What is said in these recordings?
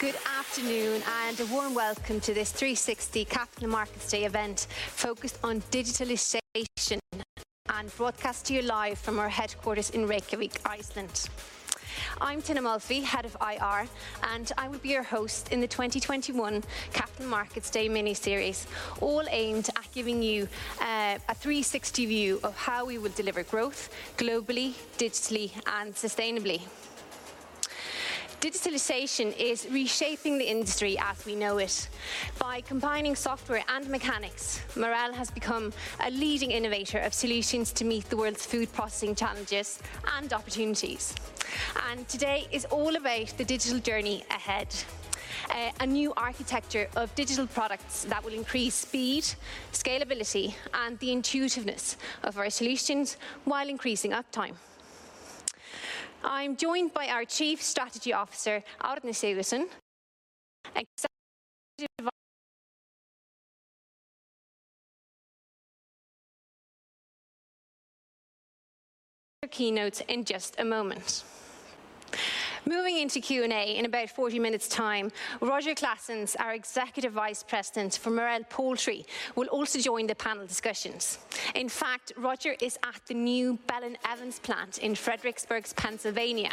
Good afternoon and a warm welcome to this 360 Capital Markets Day event focused on digitalization and broadcast to you live from our headquarters in Reykjavik, Iceland. I'm Tinna Molphy, head of IR, and I will be your host in the 2021 Capital Markets Day mini-series, all aimed at giving you a 360 view of how we will deliver growth globally, digitally, and sustainably. Digitalization is reshaping the industry as we know it. By combining software and mechanics, Marel has become a leading innovator of solutions to meet the world's food processing challenges and opportunities. Today is all about the digital journey ahead. A new architecture of digital products that will increase speed, scalability, and the intuitiveness of our solutions while increasing uptime. I'm joined by our Chief Strategy Officer, Árni Sigurðsson, Executive Vice President Hjalti Thorarinsson, and EVP of Innovation, Anna Kristín Pálsdóttir, who will take you through their keynotes in just a moment. Moving into Q&A in about 40 minutes' time, Roger Claessens, our Executive Vice President for Marel Poultry, will also join the panel discussions. In fact, Roger is at the new Bell & Evans plant in Fredericksburg, Pennsylvania.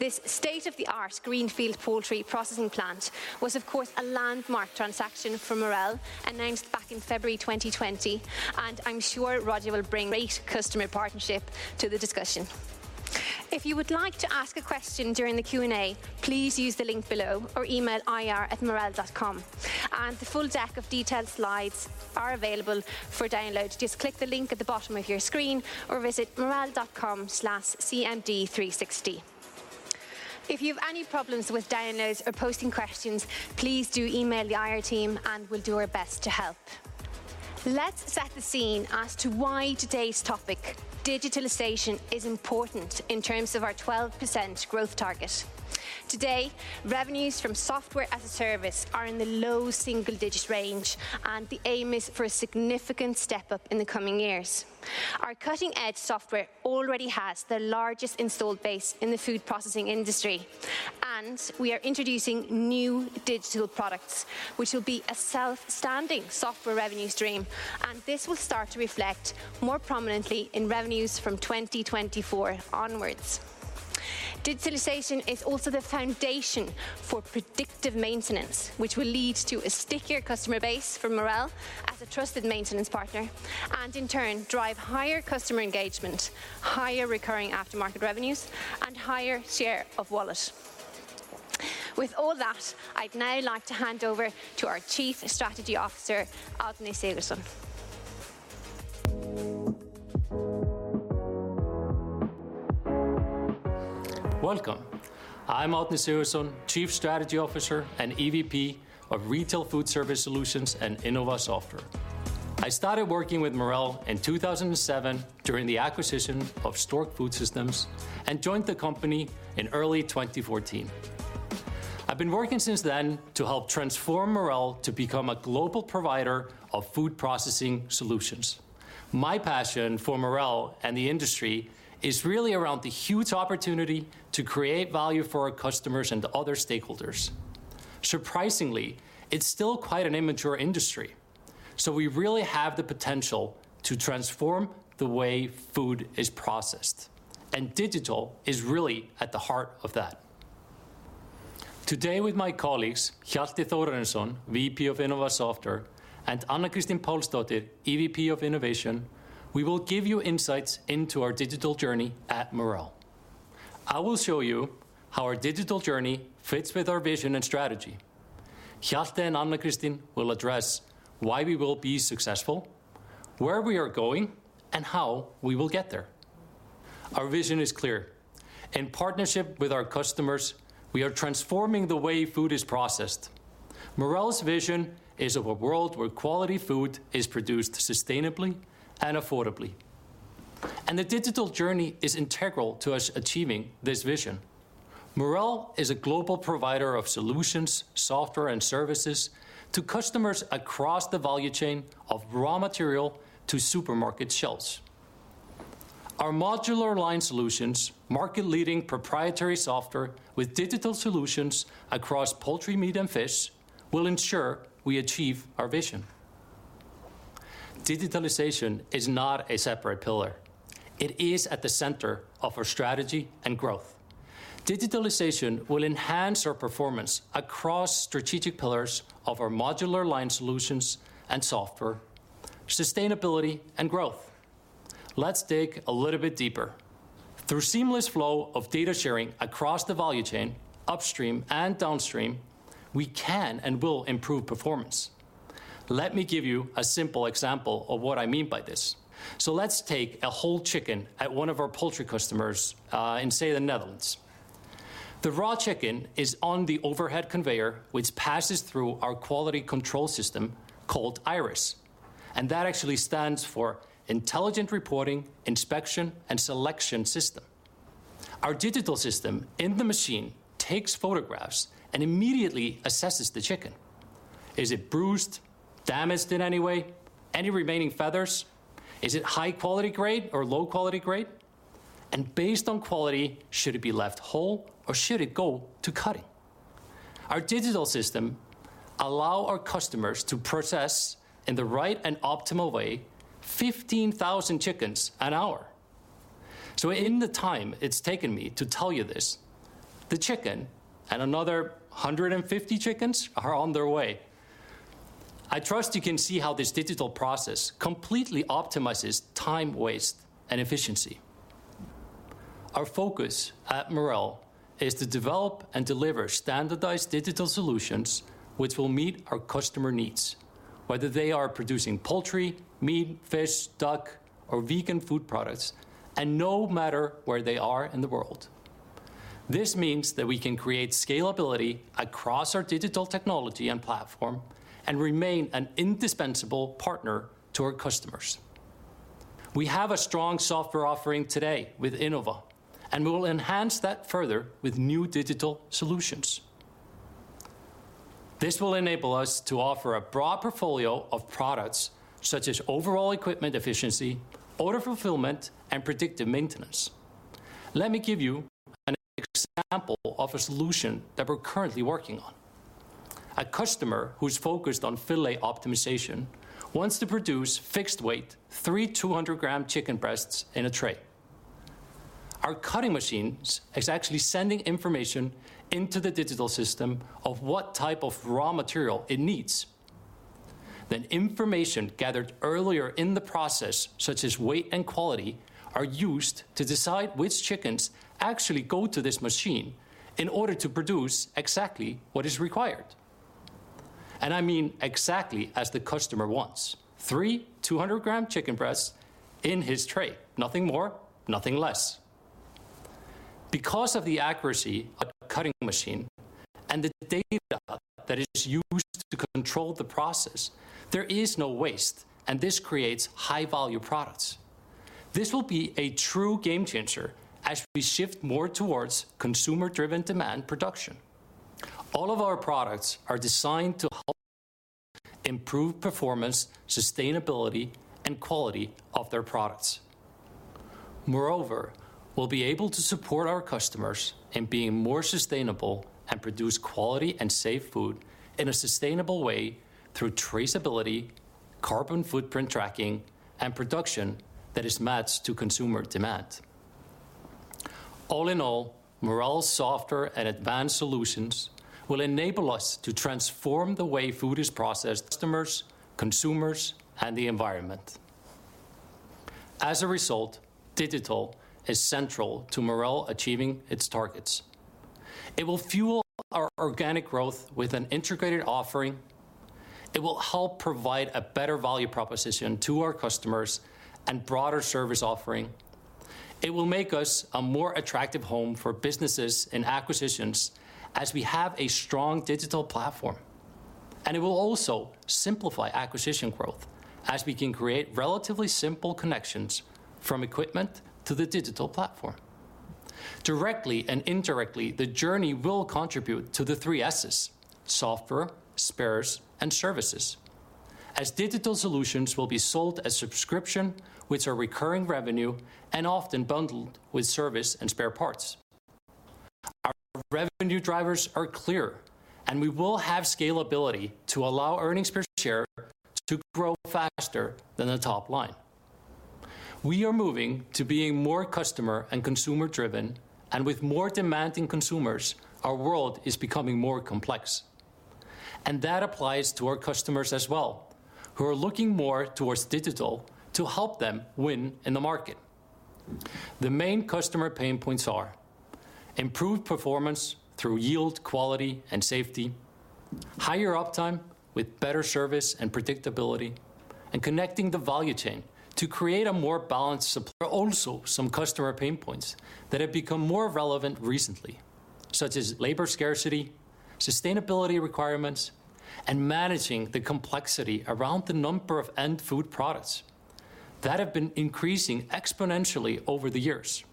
This state-of-the-art greenfield poultry processing plant was, of course, a landmark transaction for Marel, announced back in February 2020, and I'm sure Roger will bring great customer partnership to the discussion. If you would like to ask a question during the Q&A, please use the link below or email ir@marel.com. The full deck of detailed slides are available for download. Just click the link at the bottom of your screen or visit marel.com/cmd360. If you have any problems with downloads or posting questions, please do email the IR team and we'll do our best to help. Let's set the scene as to why today's topic, digitalization, is important in terms of our 12% growth target. Today, revenues from software as a service are in the low single-digit range, and the aim is for a significant step up in the coming years. Our cutting-edge software already has the largest installed base in the food processing industry, and we are introducing new digital products, which will be a self-standing software revenue stream, and this will start to reflect more prominently in revenues from 2024 onwards. Digitalization is also the foundation for predictive maintenance, which will lead to a stickier customer base for Marel as a trusted maintenance partner, and in turn, drive higher customer engagement, higher recurring aftermarket revenues, and higher share of wallet. With all that, I'd now like to hand over to our Chief Strategy Officer, Árni Sigurðsson. Welcome. I'm Árni Sigurðsson, Chief Strategy Officer and EVP of Retail & Foodservice Solutions and Innova Software. I started working with Marel in 2007 during the acquisition of Stork Food Systems and joined the company in early 2014. I've been working since then to help transform Marel to become a global provider of food processing solutions. My passion for Marel and the industry is really around the huge opportunity to create value for our customers and other stakeholders. Surprisingly, it's still quite an immature industry, so we really have the potential to transform the way food is processed, and digital is really at the heart of that. Today with my colleagues, Hjalti Thorarinsson, VP of Innova Software, and Anna Kristín Pálsdóttir, EVP of Innovation, we will give you insights into our digital journey at Marel. I will show you how our digital journey fits with our vision and strategy. Hjalti and Anna Kristín will address why we will be successful, where we are going, and how we will get there. Our vision is clear. In partnership with our customers, we are transforming the way food is processed. Marel's vision is of a world where quality food is produced sustainably and affordably. The digital journey is integral to us achieving this vision. Marel is a global provider of solutions, software, and services to customers across the value chain of raw material to supermarket shelves. Our modular line solutions, market-leading proprietary software with digital solutions across poultry, meat, and fish, will ensure we achieve our vision. Digitalization is not a separate pillar. It is at the center of our strategy and growth. Digitalization will enhance our performance across strategic pillars of our modular line solutions and software, sustainability, and growth. Let's dig a little bit deeper. Through seamless flow of data sharing across the value chain, upstream and downstream, we can and will improve performance. Let me give you a simple example of what I mean by this. Let's take a whole chicken at one of our poultry customers, in, say, the Netherlands. The raw chicken is on the overhead conveyor, which passes through our quality control system called IRIS, and that actually stands for Intelligent Reporting, Inspection, and Selection system. Our digital system in the machine takes photographs and immediately assesses the chicken. Is it bruised, damaged in any way? Any remaining feathers? Is it high quality grade or low quality grade? Based on quality, should it be left whole or should it go to cutting? Our digital system allow our customers to process in the right and optimal way, 15,000 chickens an hour. In the time it's taken me to tell you this, the chicken and another 150 chickens are on their way. I trust you can see how this digital process completely optimizes time waste and efficiency. Our focus at Marel is to develop and deliver standardized digital solutions which will meet our customer needs, whether they are producing poultry, meat, fish, duck, or vegan food products, and no matter where they are in the world. This means that we can create scalability across our digital technology and platform and remain an indispensable partner to our customers. We have a strong software offering today with Innova, and we will enhance that further with new digital solutions. This will enable us to offer a broad portfolio of products, such as overall equipment efficiency, order fulfillment, and predictive maintenance. Let me give you an example of a solution that we're currently working on. A customer who's focused on filet optimization wants to produce fixed weight, three 200-gram chicken breasts in a tray. Our cutting machines is actually sending information into the digital system of what type of raw material it needs. Information gathered earlier in the process, such as weight and quality, are used to decide which chickens actually go to this machine in order to produce exactly what is required. I mean exactly as the customer wants, three 200-gram chicken breasts in his tray, nothing more, nothing less. Because of the accuracy of cutting machine and the data that is used to control the process, there is no waste, and this creates high-value products. This will be a true game changer as we shift more towards consumer-driven demand production. All of our products are designed to help improve performance, sustainability, and quality of their products. Moreover, we'll be able to support our customers in being more sustainable and produce quality and safe food in a sustainable way through traceability, carbon footprint tracking, and production that is matched to consumer demand. All in all, Marel's software and advanced solutions will enable us to transform the way food is processed to customers, consumers, and the environment. As a result, digital is central to Marel achieving its targets. It will fuel our organic growth with an integrated offering. It will help provide a better value proposition to our customers and broader service offering. It will make us a more attractive home for businesses and acquisitions as we have a strong digital platform. It will also simplify acquisition growth as we can create relatively simple connections from equipment to the digital platform. Directly and indirectly, the journey will contribute to the three S's, software, spares, and services, as digital solutions will be sold as subscription with a recurring revenue and often bundled with service and spare parts. Our revenue drivers are clear, and we will have scalability to allow earnings per share to grow faster than the top line. We are moving to being more customer and consumer-driven, and with more demanding consumers, our world is becoming more complex. That applies to our customers as well, who are looking more towards digital to help them win in the market. The main customer pain points are improved performance through yield, quality, and safety, higher uptime with better service and predictability, and connecting the value chain to create a more balanced supply. Some customer pain points that have become more relevant recently, such as labor scarcity, sustainability requirements, and managing the complexity around the number of end food products that have been increasing exponentially over the years.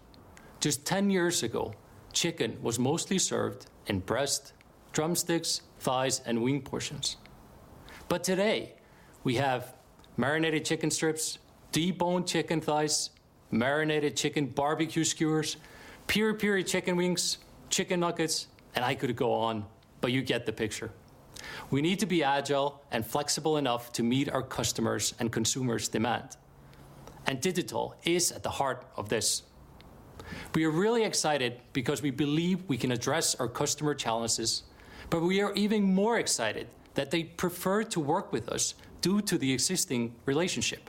Just 10 years ago, chicken was mostly served in breast, drumsticks, thighs, and wing portions. Today, we have marinated chicken strips, deboned chicken thighs, marinated chicken barbecue skewers, piri piri chicken wings, chicken nuggets, and I could go on, but you get the picture. We need to be agile and flexible enough to meet our customers' and consumers' demand. Digital is at the heart of this. We are really excited because we believe we can address our customer challenges, but we are even more excited that they prefer to work with us due to the existing relationship.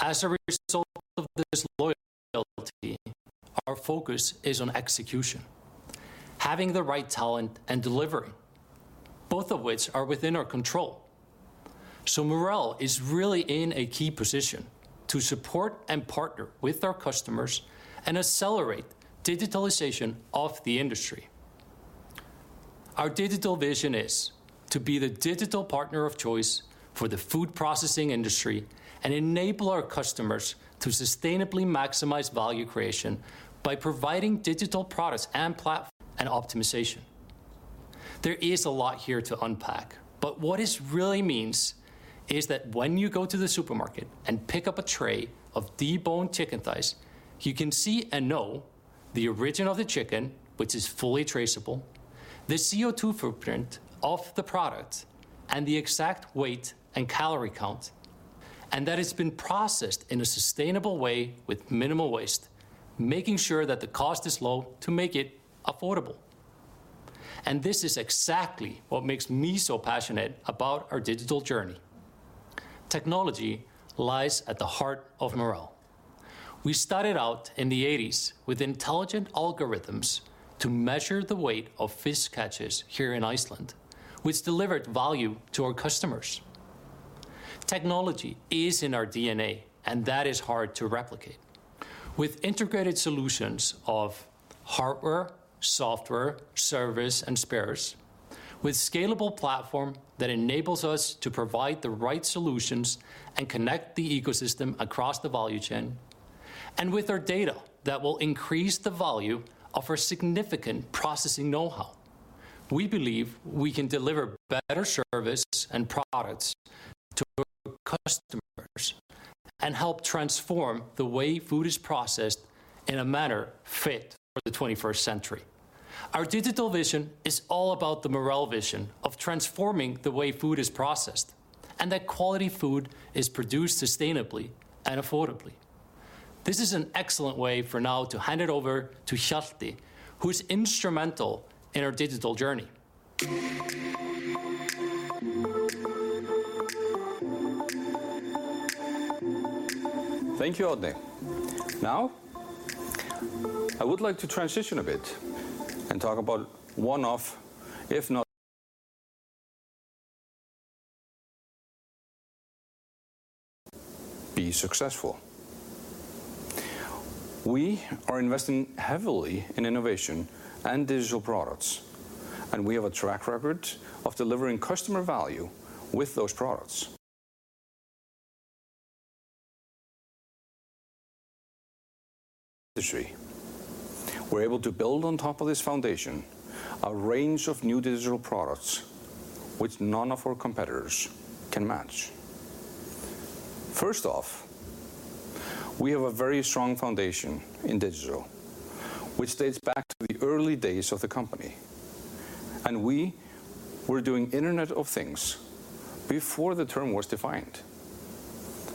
As a result of this loyalty, our focus is on execution, having the right talent and delivering, both of which are within our control. Marel is really in a key position to support and partner with our customers and accelerate digitalization of the industry. Our digital vision is to be the digital partner of choice for the food processing industry and enable our customers to sustainably maximize value creation by providing digital products and platform and optimization. There is a lot here to unpack, but what this really means is that when you go to the supermarket and pick up a tray of deboned chicken thighs, you can see and know the origin of the chicken, which is fully traceable, the CO₂ footprint of the product, and the exact weight and calorie count, and that it's been processed in a sustainable way with minimal waste, making sure that the cost is low to make it affordable. This is exactly what makes me so passionate about our digital journey. Technology lies at the heart of Marel. We started out in the eighties with intelligent algorithms to measure the weight of fish catches here in Iceland, which delivered value to our customers. Technology is in our DNA, and that is hard to replicate. With integrated solutions of hardware, software, service, and spares, with scalable platform that enables us to provide the right solutions and connect the ecosystem across the value chain, and with our data that will increase the value of our significant processing know-how, we believe we can deliver better service and products to customers and help transform the way food is processed in a manner fit for the twenty-first century. Our digital vision is all about the Marel vision of transforming the way food is processed, and that quality food is produced sustainably and affordably. This is an excellent way for now to hand it over to Hjalti, who is instrumental in our digital journey. Thank you, Árni. Now, I would like to transition a bit and talk about being successful. We are investing heavily in innovation and digital products, and we have a track record of delivering customer value with those products in the industry. We're able to build on top of this foundation a range of new digital products which none of our competitors can match. First off, we have a very strong foundation in digital, which dates back to the early days of the company. We were doing Internet of Things before the term was defined.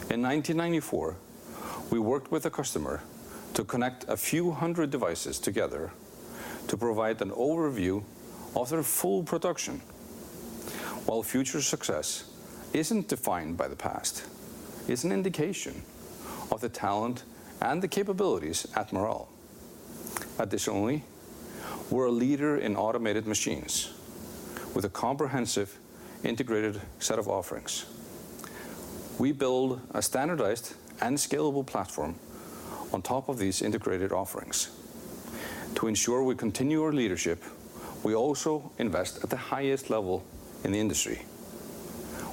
In 1994, we worked with a customer to connect a few hundred devices together to provide an overview of their full production. While future success isn't defined by the past, it's an indication of the talent and the capabilities at Marel. Additionally, we're a leader in automated machines with a comprehensive integrated set of offerings. We build a standardized and scalable platform on top of these integrated offerings. To ensure we continue our leadership, we also invest at the highest level in the industry.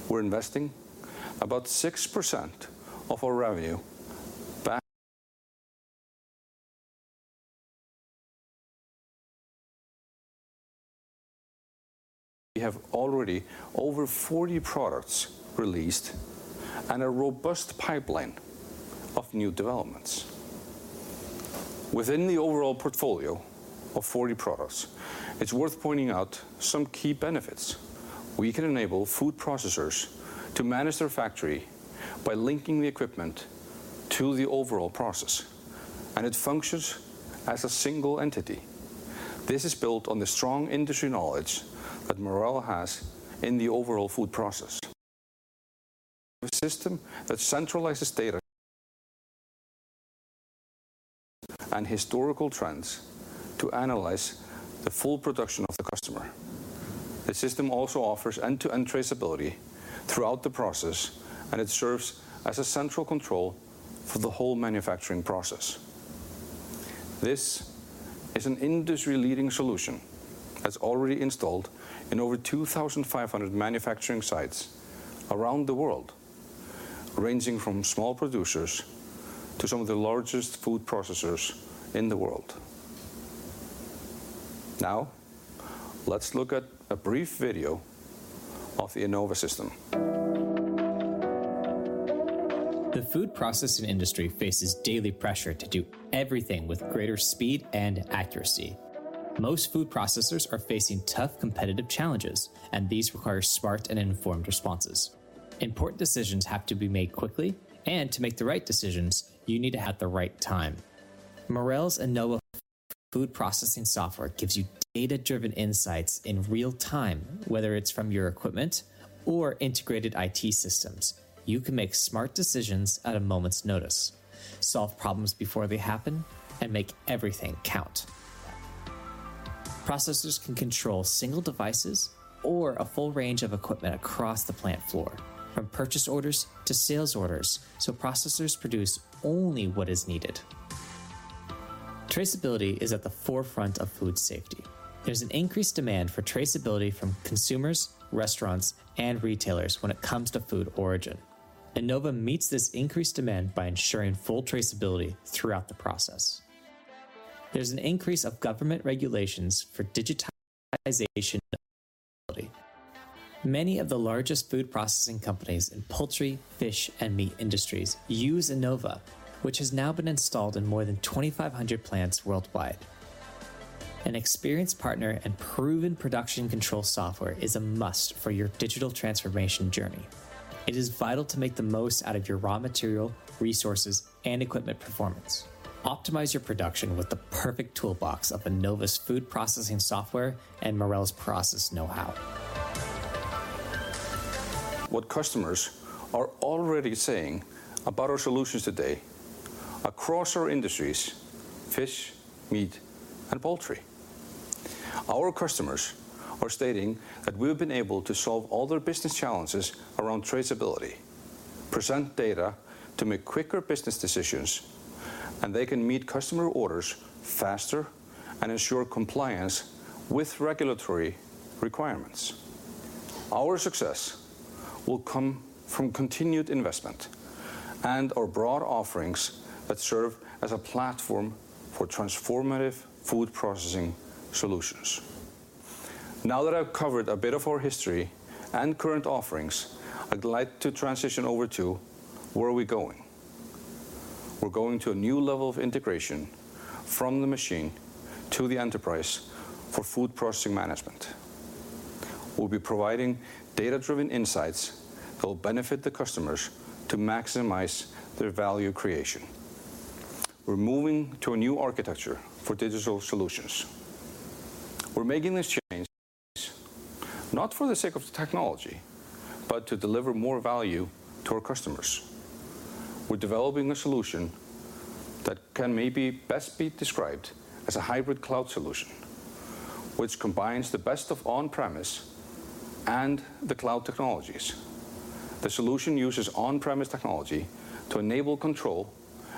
We're investing about 6% of our revenue back. We have already over 40 products released and a robust pipeline of new developments. Within the overall portfolio of 40 products, it's worth pointing out some key benefits. We can enable food processors to manage their factory by linking the equipment to the overall process, and it functions as a single entity. This is built on the strong industry knowledge that Marel has in the overall food process. The system that centralizes data and historical trends to analyze the full production of the customer. The system also offers end-to-end traceability throughout the process, and it serves as a central control for the whole manufacturing process. This is an industry-leading solution that's already installed in over 2,500 manufacturing sites around the world, ranging from small producers to some of the largest food processors in the world. Now, let's look at a brief video of the Innova system. The food processing industry faces daily pressure to do everything with greater speed and accuracy. Most food processors are facing tough competitive challenges, and these require smart and informed responses. Important decisions have to be made quickly, and to make the right decisions, you need to have the right time. Marel's Innova food processing software gives you data-driven insights in real time, whether it's from your equipment or integrated IT systems. You can make smart decisions at a moment's notice, solve problems before they happen, and make everything count. Processors can control single devices or a full range of equipment across the plant floor, from purchase orders to sales orders, so processors produce only what is needed. Traceability is at the forefront of food safety. There's an increased demand for traceability from consumers, restaurants, and retailers when it comes to food origin. Innova meets this increased demand by ensuring full traceability throughout the process. There's an increase of government regulations for digitization. Many of the largest food processing companies in poultry, fish, and meat industries use Innova, which has now been installed in more than 2,500 plants worldwide. An experienced partner and proven production control software is a must for your digital transformation journey. It is vital to make the most out of your raw material, resources, and equipment performance. Optimize your production with the perfect toolbox of Innova's food processing software and Marel's process know-how. What customers are already saying about our solutions today across our industries, fish, meat, and poultry. Our customers are stating that we've been able to solve all their business challenges around traceability, present data to make quicker business decisions, and they can meet customer orders faster and ensure compliance with regulatory requirements. Our success will come from continued investment and our broad offerings that serve as a platform for transformative food processing solutions. Now that I've covered a bit of our history and current offerings, I'd like to transition over to where are we going. We're going to a new level of integration from the machine to the enterprise for food processing management. We'll be providing data-driven insights that will benefit the customers to maximize their value creation. We're moving to a new architecture for digital solutions. We're making this change not for the sake of the technology, but to deliver more value to our customers. We're developing a solution that can maybe best be described as a hybrid cloud solution, which combines the best of on-premise and the cloud technologies. The solution uses on-premise technology to enable control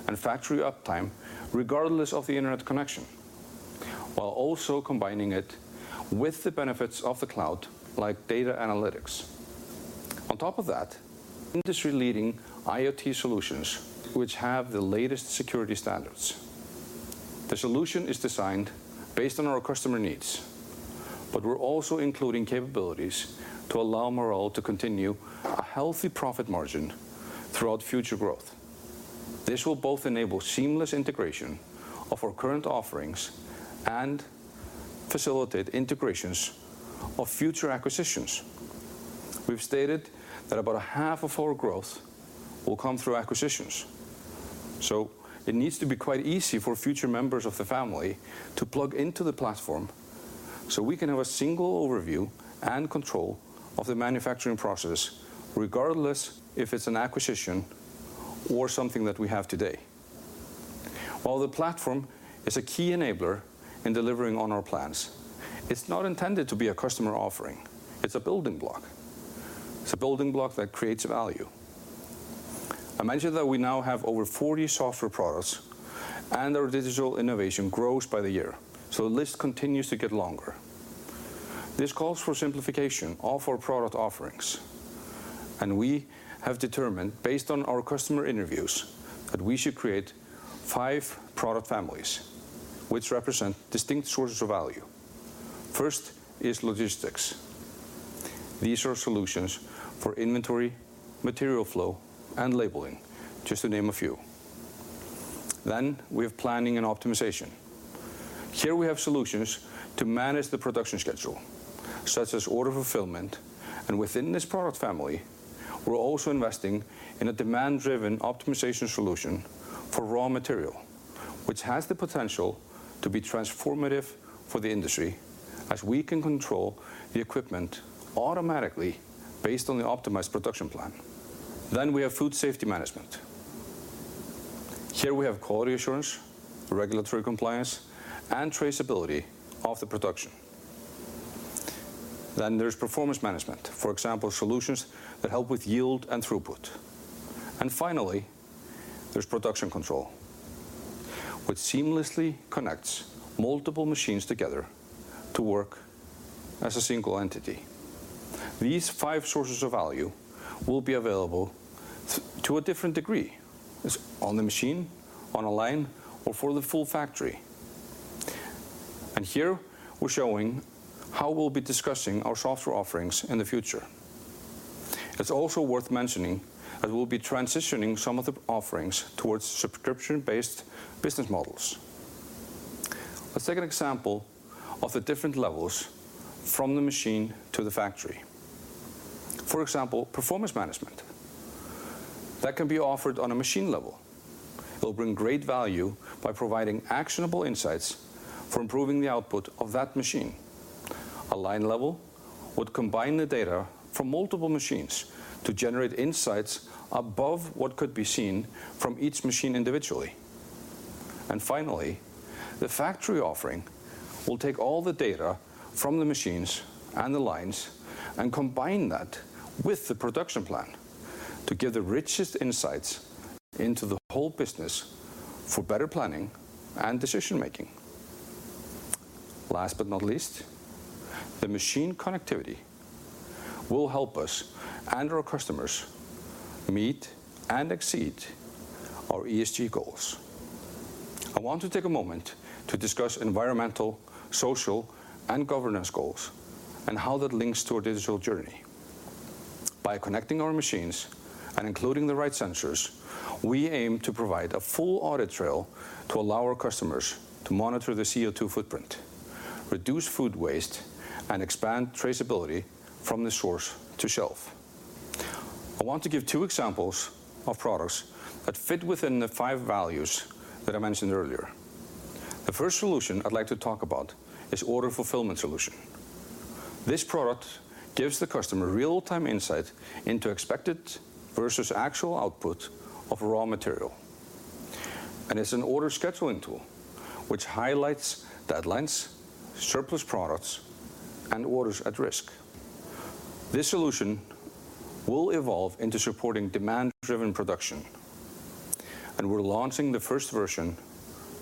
and factory uptime regardless of the internet connection, while also combining it with the benefits of the cloud, like data analytics. On top of that, industry-leading IoT solutions which have the latest security standards. The solution is designed based on our customer needs, but we're also including capabilities to allow Marel to continue a healthy profit margin throughout future growth. This will both enable seamless integration of our current offerings and facilitate integrations of future acquisitions. We've stated that about a half of our growth will come through acquisitions, so it needs to be quite easy for future members of the family to plug into the platform, so we can have a single overview and control of the manufacturing process, regardless if it's an acquisition or something that we have today. While the platform is a key enabler in delivering on our plans, it's not intended to be a customer offering. It's a building block. It's a building block that creates value. I mentioned that we now have over 40 software products, and our digital innovation grows by the year, so the list continues to get longer. This calls for simplification of our product offerings, and we have determined, based on our customer interviews, that we should create 5 product families which represent distinct sources of value. First is logistics. These are solutions for inventory, material flow, and labeling, just to name a few. We have planning and optimization. Here we have solutions to manage the production schedule, such as order fulfillment. Within this product family, we're also investing in a demand-driven optimization solution for raw material, which has the potential to be transformative for the industry as we can control the equipment automatically based on the optimized production plan. We have food safety management. Here we have quality assurance, regulatory compliance, and traceability of the production. There's performance management, for example, solutions that help with yield and throughput. Finally, there's production control, which seamlessly connects multiple machines together to work as a single entity. These five sources of value will be available to a different degree on the machine, on a line, or for the full factory. Here we're showing how we'll be discussing our software offerings in the future. It's also worth mentioning that we'll be transitioning some of the offerings towards subscription-based business models. Let's take an example of the different levels from the machine to the factory. For example, performance management. That can be offered on a machine level. It'll bring great value by providing actionable insights for improving the output of that machine. A line level would combine the data from multiple machines to generate insights above what could be seen from each machine individually. And finally, the factory offering will take all the data from the machines and the lines and combine that with the production plan to give the richest insights into the whole business for better planning and decision-making. Last but not least, the machine connectivity will help us and our customers meet and exceed our ESG goals. I want to take a moment to discuss environmental, social, and governance goals and how that links to our digital journey. By connecting our machines and including the right sensors, we aim to provide a full audit trail to allow our customers to monitor the CO2 footprint, reduce food waste, and expand traceability from the source to shelf. I want to give two examples of products that fit within the five values that I mentioned earlier. The first solution I'd like to talk about is order fulfillment solution. This product gives the customer real-time insight into expected versus actual output of raw material, and it's an order scheduling tool which highlights deadlines, surplus products, and orders at risk. This solution will evolve into supporting demand-driven production, and we're launching the first version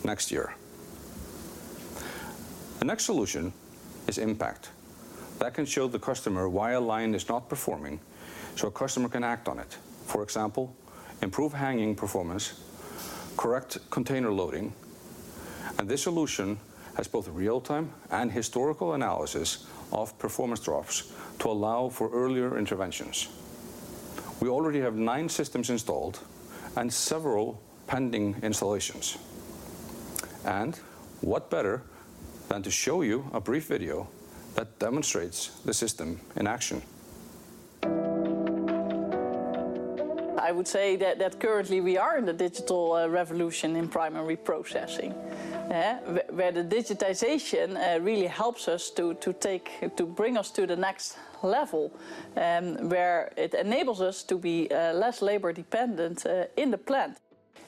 next year. The next solution is IMPAQT. That can show the customer why a line is not performing, so a customer can act on it. For example, improve hanging performance, correct container loading, and this solution has both real-time and historical analysis of performance drops to allow for earlier interventions. We already have nine systems installed and several pending installations. What better than to show you a brief video that demonstrates the system in action? I would say that currently we are in the digital revolution in primary processing, where the digitization really helps us to bring us to the next level, where it enables us to be less labor dependent in the plant.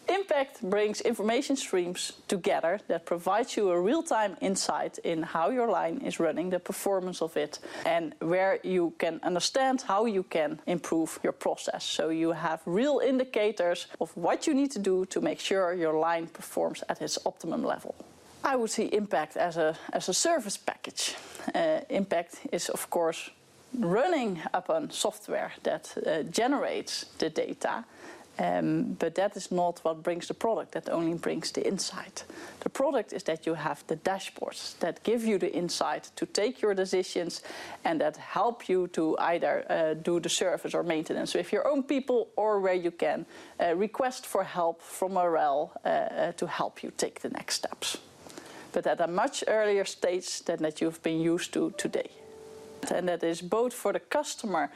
IMPAQT brings information streams together that provides you a real-time insight in how your line is running, the performance of it, and where you can understand how you can improve your process. You have real indicators of what you need to do to make sure your line performs at its optimum level. I would see IMPAQT as a service package. IMPAQT is, of course, running upon software that generates the data, but that is not what brings the product. That only brings the insight. The product is that you have the dashboards that give you the insight to take your decisions and that help you to either do the service or maintenance with your own people or where you can request for help from Marel to help you take the next steps. At a much earlier stage than that you've been used to today. That is both for the customer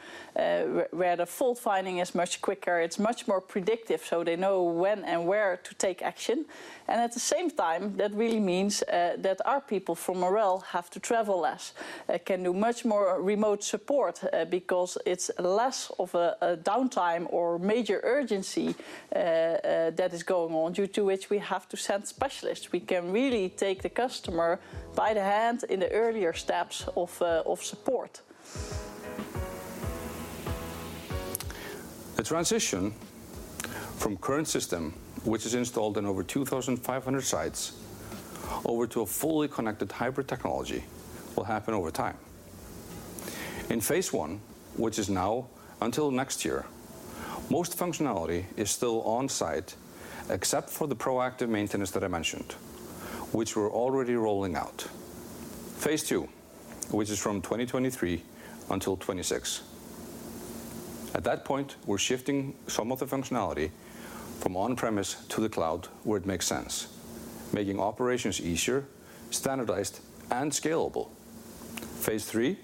where the fault finding is much quicker, it's much more predictive, so they know when and where to take action. At the same time, that really means that our people from Marel have to travel less, can do much more remote support because it's less of a downtime or major urgency that is going on due to which we have to send specialists. We can really take the customer by the hand in the earlier steps of support. The transition from current system, which is installed in over 2,500 sites, over to a fully connected hybrid technology, will happen over time. In phase one, which is now until next year, most functionality is still on-site except for the proactive maintenance that I mentioned, which we're already rolling out. Phase two, which is from 2023 until 2026, at that point, we're shifting some of the functionality from on-premise to the cloud where it makes sense, making operations easier, standardized, and scalable. Phase three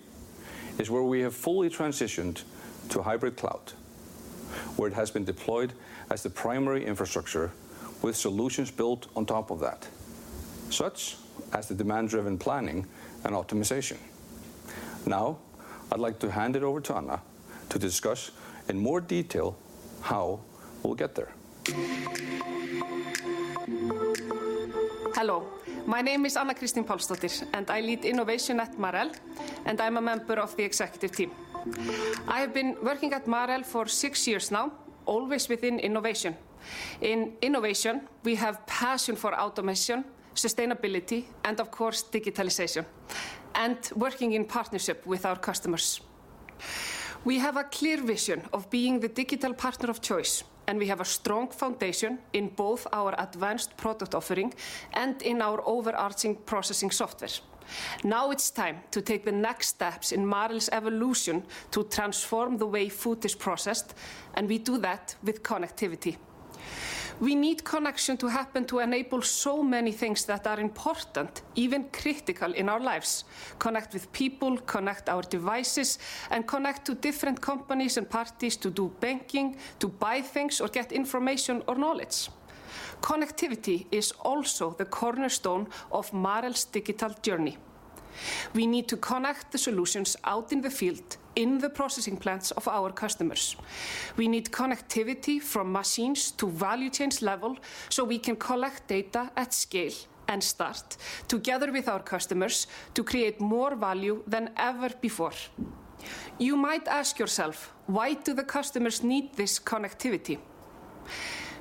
is where we have fully transitioned to hybrid cloud, where it has been deployed as the primary infrastructure with solutions built on top of that, such as the demand-driven planning and optimization. Now, I'd like to hand it over to Anna to discuss in more detail how we'll get there. Hello, my name is Anna Kristín Pálsdóttir, and I lead innovation at Marel, and I'm a member of the executive team. I have been working at Marel for six years now, always within innovation. In innovation, we have passion for automation, sustainability, and of course digitalization, and working in partnership with our customers. We have a clear vision of being the digital partner of choice, and we have a strong foundation in both our advanced product offering and in our overarching processing software. Now it's time to take the next steps in Marel's evolution to transform the way food is processed, and we do that with connectivity. We need connection to happen to enable so many things that are important, even critical in our lives. Connect with people, connect our devices, and connect to different companies and parties to do banking, to buy things or get information or knowledge. Connectivity is also the cornerstone of Marel's digital journey. We need to connect the solutions out in the field, in the processing plants of our customers. We need connectivity from machines to value chains level so we can collect data at scale and start together with our customers to create more value than ever before. You might ask yourself, "Why do the customers need this connectivity?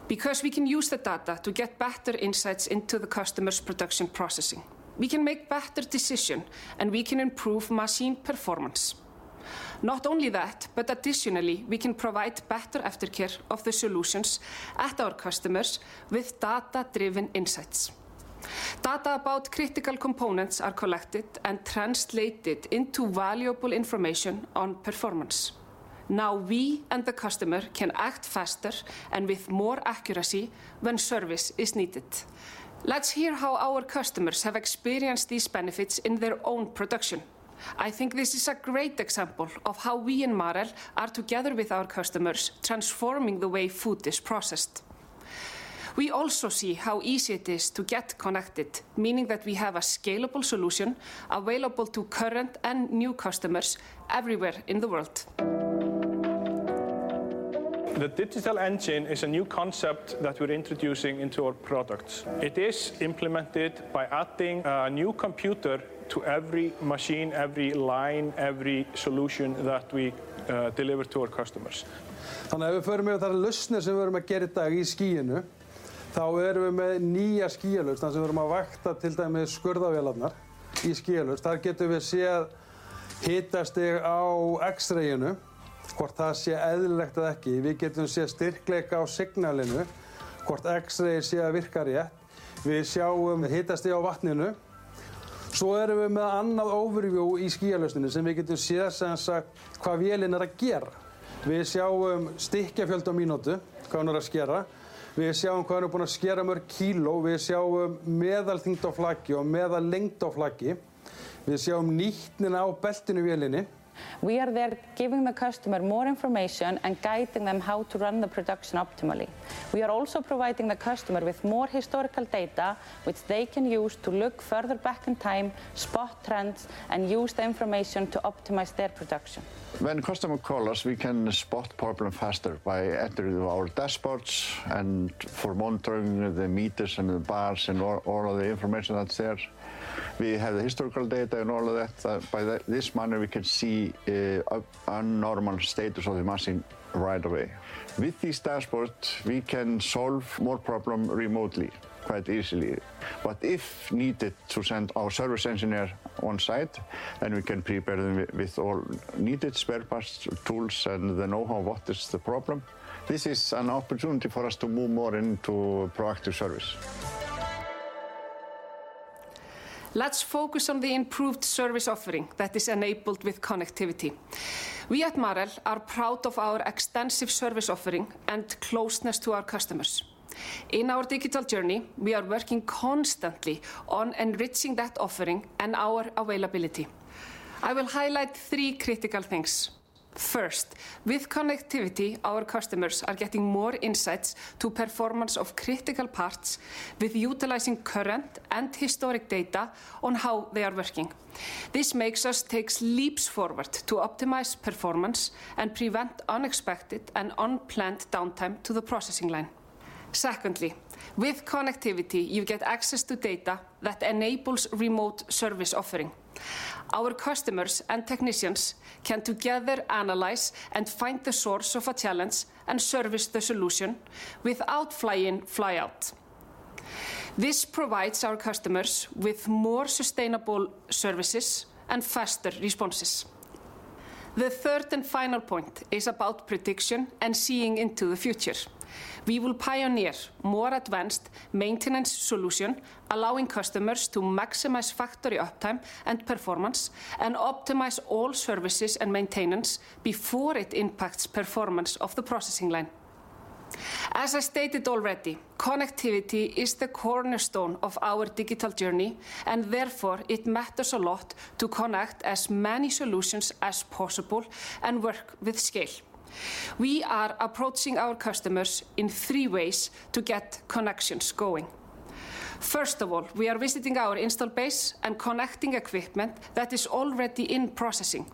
Because we can use the data to get better insights into the customer's production processing. We can make better decision, and we can improve machine performance. Not only that, but additionally, we can provide better aftercare of the solutions at our customers with data-driven insights. Data about critical components are collected and translated into valuable information on performance. Now, we and the customer can act faster and with more accuracy when service is needed. Let's hear how our customers have experienced these benefits in their own production. I think this is a great example of how we in Marel are together with our customers, transforming the way food is processed. We also see how easy it is to get connected, meaning that we have a scalable solution available to current and new customers everywhere in the world. The digital engine is a new concept that we're introducing into our products. It is implemented by adding a new computer to every machine, every line, every solution that we deliver to our customers. We are there giving the customer more information and guiding them how to run the production optimally. We are also providing the customer with more historical data which they can use to look further back in time, spot trends, and use the information to optimize their production. When customer call us, we can spot problem faster by entering our dashboards and for monitoring the meters and the bars and all of the information that's there. We have the historical data and all of that. By this manner, we can see a normal status of the machine right away. With this dashboard, we can solve more problem remotely quite easily. If needed to send our service engineer on site, then we can prepare them with all needed spare parts, tools, and the know-how, what is the problem. This is an opportunity for us to move more into proactive service. Let's focus on the improved service offering that is enabled with connectivity. We at Marel are proud of our extensive service offering and closeness to our customers. In our digital journey, we are working constantly on enriching that offering and our availability. I will highlight three critical things. First, with connectivity, our customers are getting more insights into performance of critical parts by utilizing current and historical data on how they are working. This makes us take leaps forward to optimize performance and prevent unexpected and unplanned downtime to the processing line. Secondly, with connectivity, you get access to data that enables remote service offering. Our customers and technicians can together analyze and find the source of a challenge and service the solution without fly in, fly out. This provides our customers with more sustainable services and faster responses. The third and final point is about prediction and seeing into the future. We will pioneer more advanced maintenance solution, allowing customers to maximize factory uptime and performance and optimize all services and maintenance before it impacts performance of the processing line. As I stated already, connectivity is the cornerstone of our digital journey, and therefore, it matters a lot to connect as many solutions as possible and work with scale. We are approaching our customers in three ways to get connections going. First of all, we are visiting our installed base and connecting equipment that is already in processing.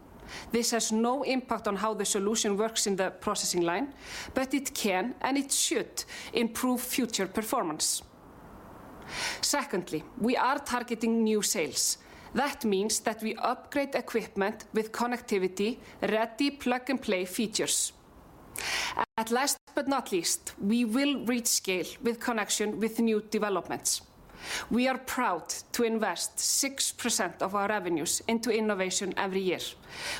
This has no IMPAQT on how the solution works in the processing line, but it can and it should improve future performance. Secondly, we are targeting new sales. That means that we upgrade equipment with connectivity, ready plug-and-play features. Last but not least, we will reach scale with connectivity with new developments. We are proud to invest 6% of our revenues into innovation every year.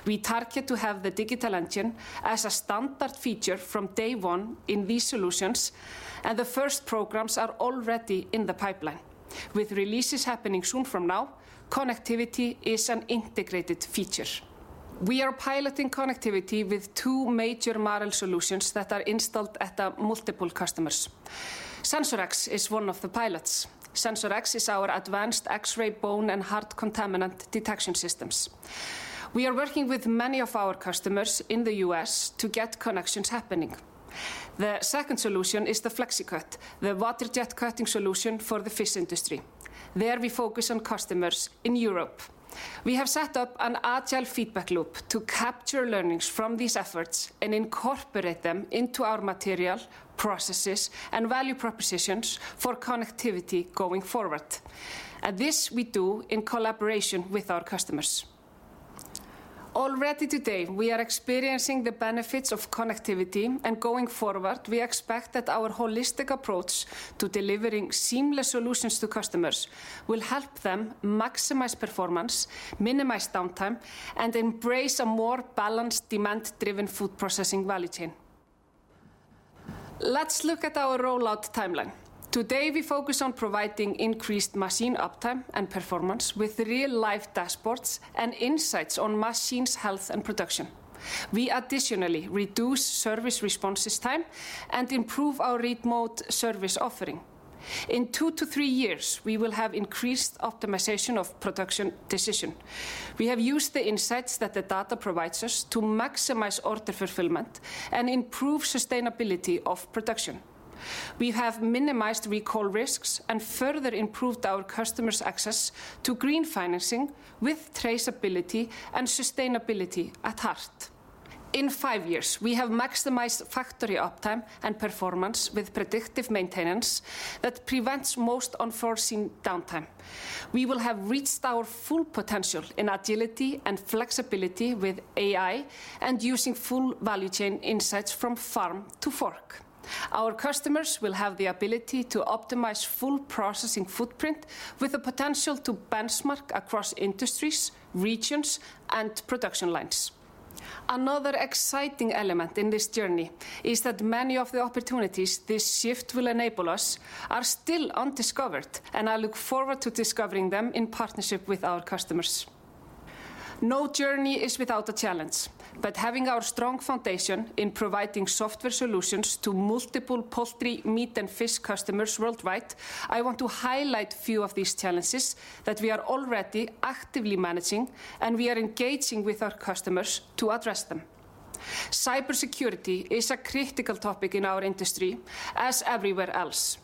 We target to have the digital engine as a standard feature from day one in these solutions, and the first programs are already in the pipeline. With releases happening soon from now, connectivity is an integrated feature. We are piloting connectivity with two major Marel solutions that are installed at multiple customers. SensorX is one of the pilots. SensorX is our advanced X-ray bone and hard contaminant detection systems. We are working with many of our customers in the U.S. to get connections happening. The second solution is the FleXicut, the water-jet cutting solution for the fish industry. There we focus on customers in Europe. We have set up an agile feedback loop to capture learnings from these efforts and incorporate them into our material, processes, and value propositions for connectivity going forward, and this we do in collaboration with our customers. Already today, we are experiencing the benefits of connectivity, and going forward, we expect that our holistic approach to delivering seamless solutions to customers will help them maximize performance, minimize downtime, and embrace a more balanced demand-driven food processing value chain. Let's look at our rollout timeline. Today, we focus on providing increased machine uptime and performance with real-life dashboards and insights on machines' health and production. We additionally reduce service response time and improve our remote service offering. In two-three years, we will have increased optimization of production decision. We have used the insights that the data provides us to maximize order fulfillment and improve sustainability of production. We have minimized recall risks and further improved our customers' access to green financing with traceability and sustainability at heart. In five years, we have maximized factory uptime and performance with predictive maintenance that prevents most unforeseen downtime. We will have reached our full potential in agility and flexibility with AI and using full value chain insights from farm to fork. Our customers will have the ability to optimize full processing footprint with the potential to benchmark across industries, regions, and production lines. Another exciting element in this journey is that many of the opportunities this shift will enable us are still undiscovered, and I look forward to discovering them in partnership with our customers. No journey is without a challenge, but having our strong foundation in providing software solutions to multiple poultry, meat, and fish customers worldwide, I want to highlight a few of these challenges that we are already actively managing, and we are engaging with our customers to address them. Cybersecurity is a critical topic in our industry, as everywhere else.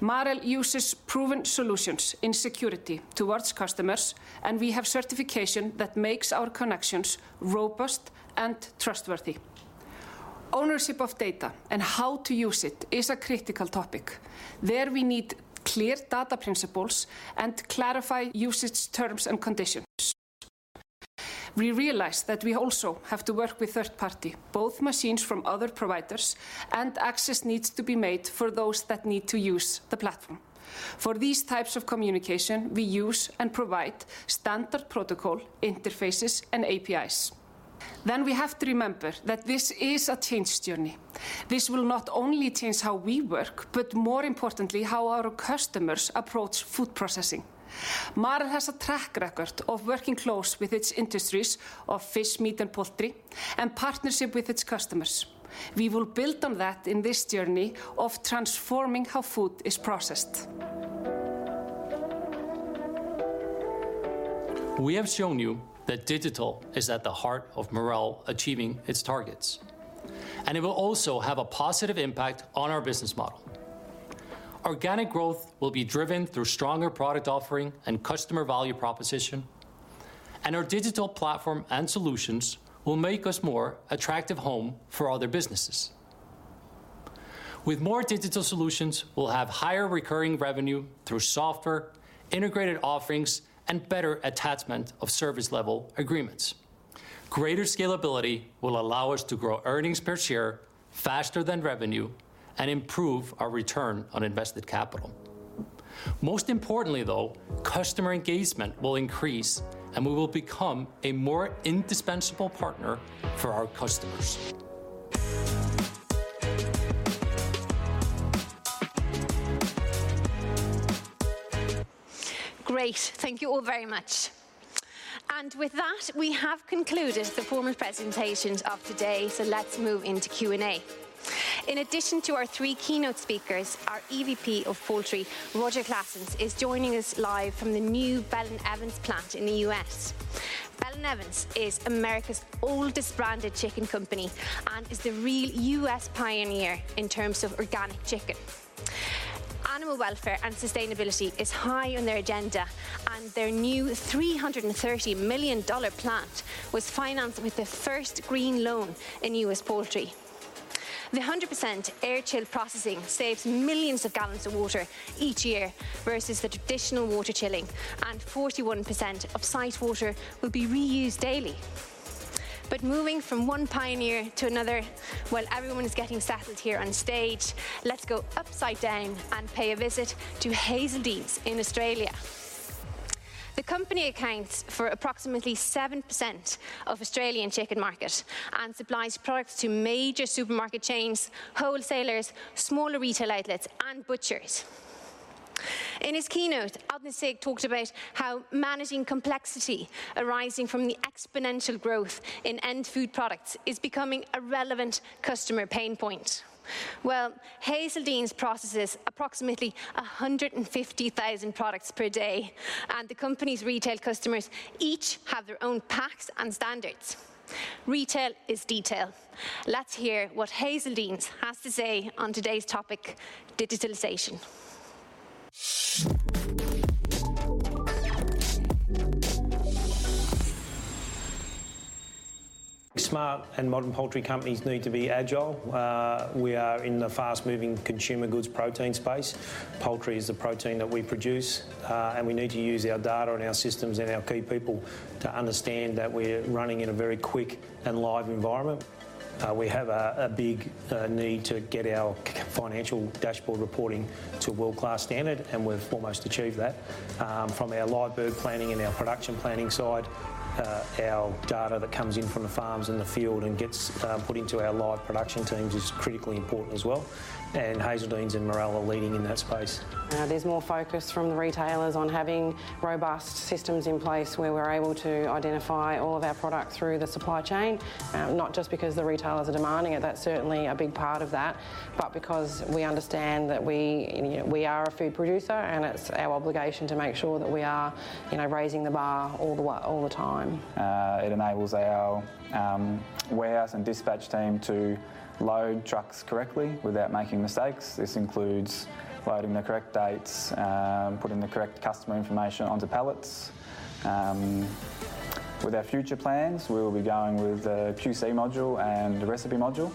Marel uses proven solutions in security towards customers, and we have certification that makes our connections robust and trustworthy. Ownership of data and how to use it is a critical topic. There we need clear data principles and clarify usage terms and conditions. We realize that we also have to work with third-party, both machines from other providers, and access needs to be made for those that need to use the platform. For these types of communication, we use and provide standard protocol interfaces and APIs. We have to remember that this is a change journey. This will not only change how we work, but more importantly, how our customers approach food processing. Marel has a track record of working closely with its industries of fish, meat, and poultry and partnership with its customers. We will build on that in this journey of transforming how food is processed. We have shown you that digital is at the heart of Marel achieving its targets, and it will also have a positive IMPAQT on our business model. Organic growth will be driven through stronger product offering and customer value proposition, and our digital platform and solutions will make us more attractive home for other businesses. With more digital solutions, we'll have higher recurring revenue through software, integrated offerings, and better attachment of service level agreements. Greater scalability will allow us to grow earnings per share faster than revenue and improve our return on invested capital. Most importantly, though, customer engagement will increase, and we will become a more indispensable partner for our customers. Great. Thank you all very much. With that, we have concluded the formal presentations of today, so let's move into Q&A. In addition to our three keynote speakers, our EVP of Poultry, Roger Claessens, is joining us live from the new Bell & Evans plant in the U.S. Bell & Evans is America's oldest branded chicken company and is the real U.S. pioneer in terms of organic chicken. Animal welfare and sustainability is high on their agenda, and their new $330 million plant was financed with the first green loan in U.S. poultry. The 100% air chill processing saves millions of gallons of water each year versus the traditional water chilling, and 41% of site water will be reused daily. Moving from one pioneer to another, while everyone is getting settled here on stage, let's go upside down and pay a visit to Hazeldene's in Australia. The company accounts for approximately 7% of Australian chicken market and supplies products to major supermarket chains, wholesalers, smaller retail outlets, and butchers. In his keynote, Árni Sigurðsson talked about how managing complexity arising from the exponential growth in end food products is becoming a relevant customer pain point. Well, Hazeldene's processes approximately 150,000 products per day, and the company's retail customers each have their own packs and standards. Retail is detail. Let's hear what Hazeldene's has to say on today's topic, digitalization. Smart and modern poultry companies need to be agile. We are in the fast-moving consumer goods protein space. Poultry is the protein that we produce, and we need to use our data and our systems and our key people to understand that we're running in a very quick and live environment. We have a big need to get our financial dashboard reporting to a world-class standard, and we've almost achieved that. From our live bird planning and our production planning side, our data that comes in from the farms in the field and gets put into our live production teams is critically important as well, and Hazeldene's and Marel are leading in that space. There's more focus from the retailers on having robust systems in place where we're able to identify all of our product through the supply chain, not just because the retailers are demanding it, that's certainly a big part of that, but because we understand that we, you know, we are a food producer, and it's our obligation to make sure that we are, you know, raising the bar all the time. It enables our warehouse and dispatch team to load trucks correctly without making mistakes. This includes loading the correct dates, putting the correct customer information onto pallets. With our future plans, we'll be going with a QC module and a recipe module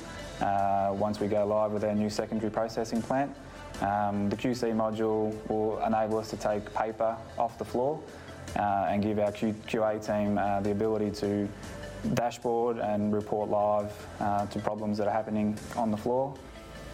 once we go live with our new secondary processing plant. The QC module will enable us to take paper off the floor and give our QA team the ability to dashboard and report live to problems that are happening on the floor.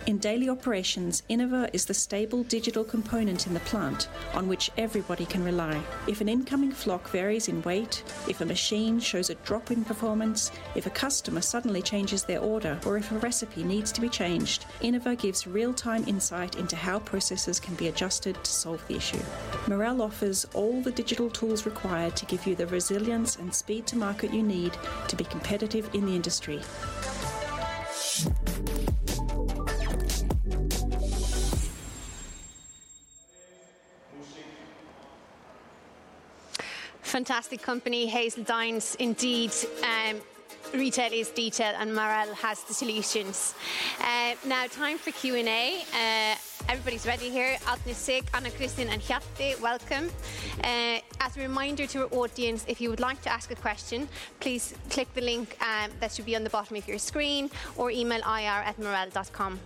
In daily operations, Innova is the stable digital component in the plant on which everybody can rely. If an incoming flock varies in weight, if a machine shows a drop in performance, if a customer suddenly changes their order, or if a recipe needs to be changed, Innova gives real-time insight into how processes can be adjusted to solve the issue. Marel offers all the digital tools required to give you the resilience and speed to market you need to be competitive in the industry. Fantastic company, Hazeldene's, indeed. Retail is detail, and Marel has the solutions. Now time for Q&A. Everybody's ready here. Árni, Anna Kristin, and Hjalti, welcome. As a reminder to our audience, if you would like to ask a question, please click the link that should be on the bottom of your screen, or email ir@marel.com.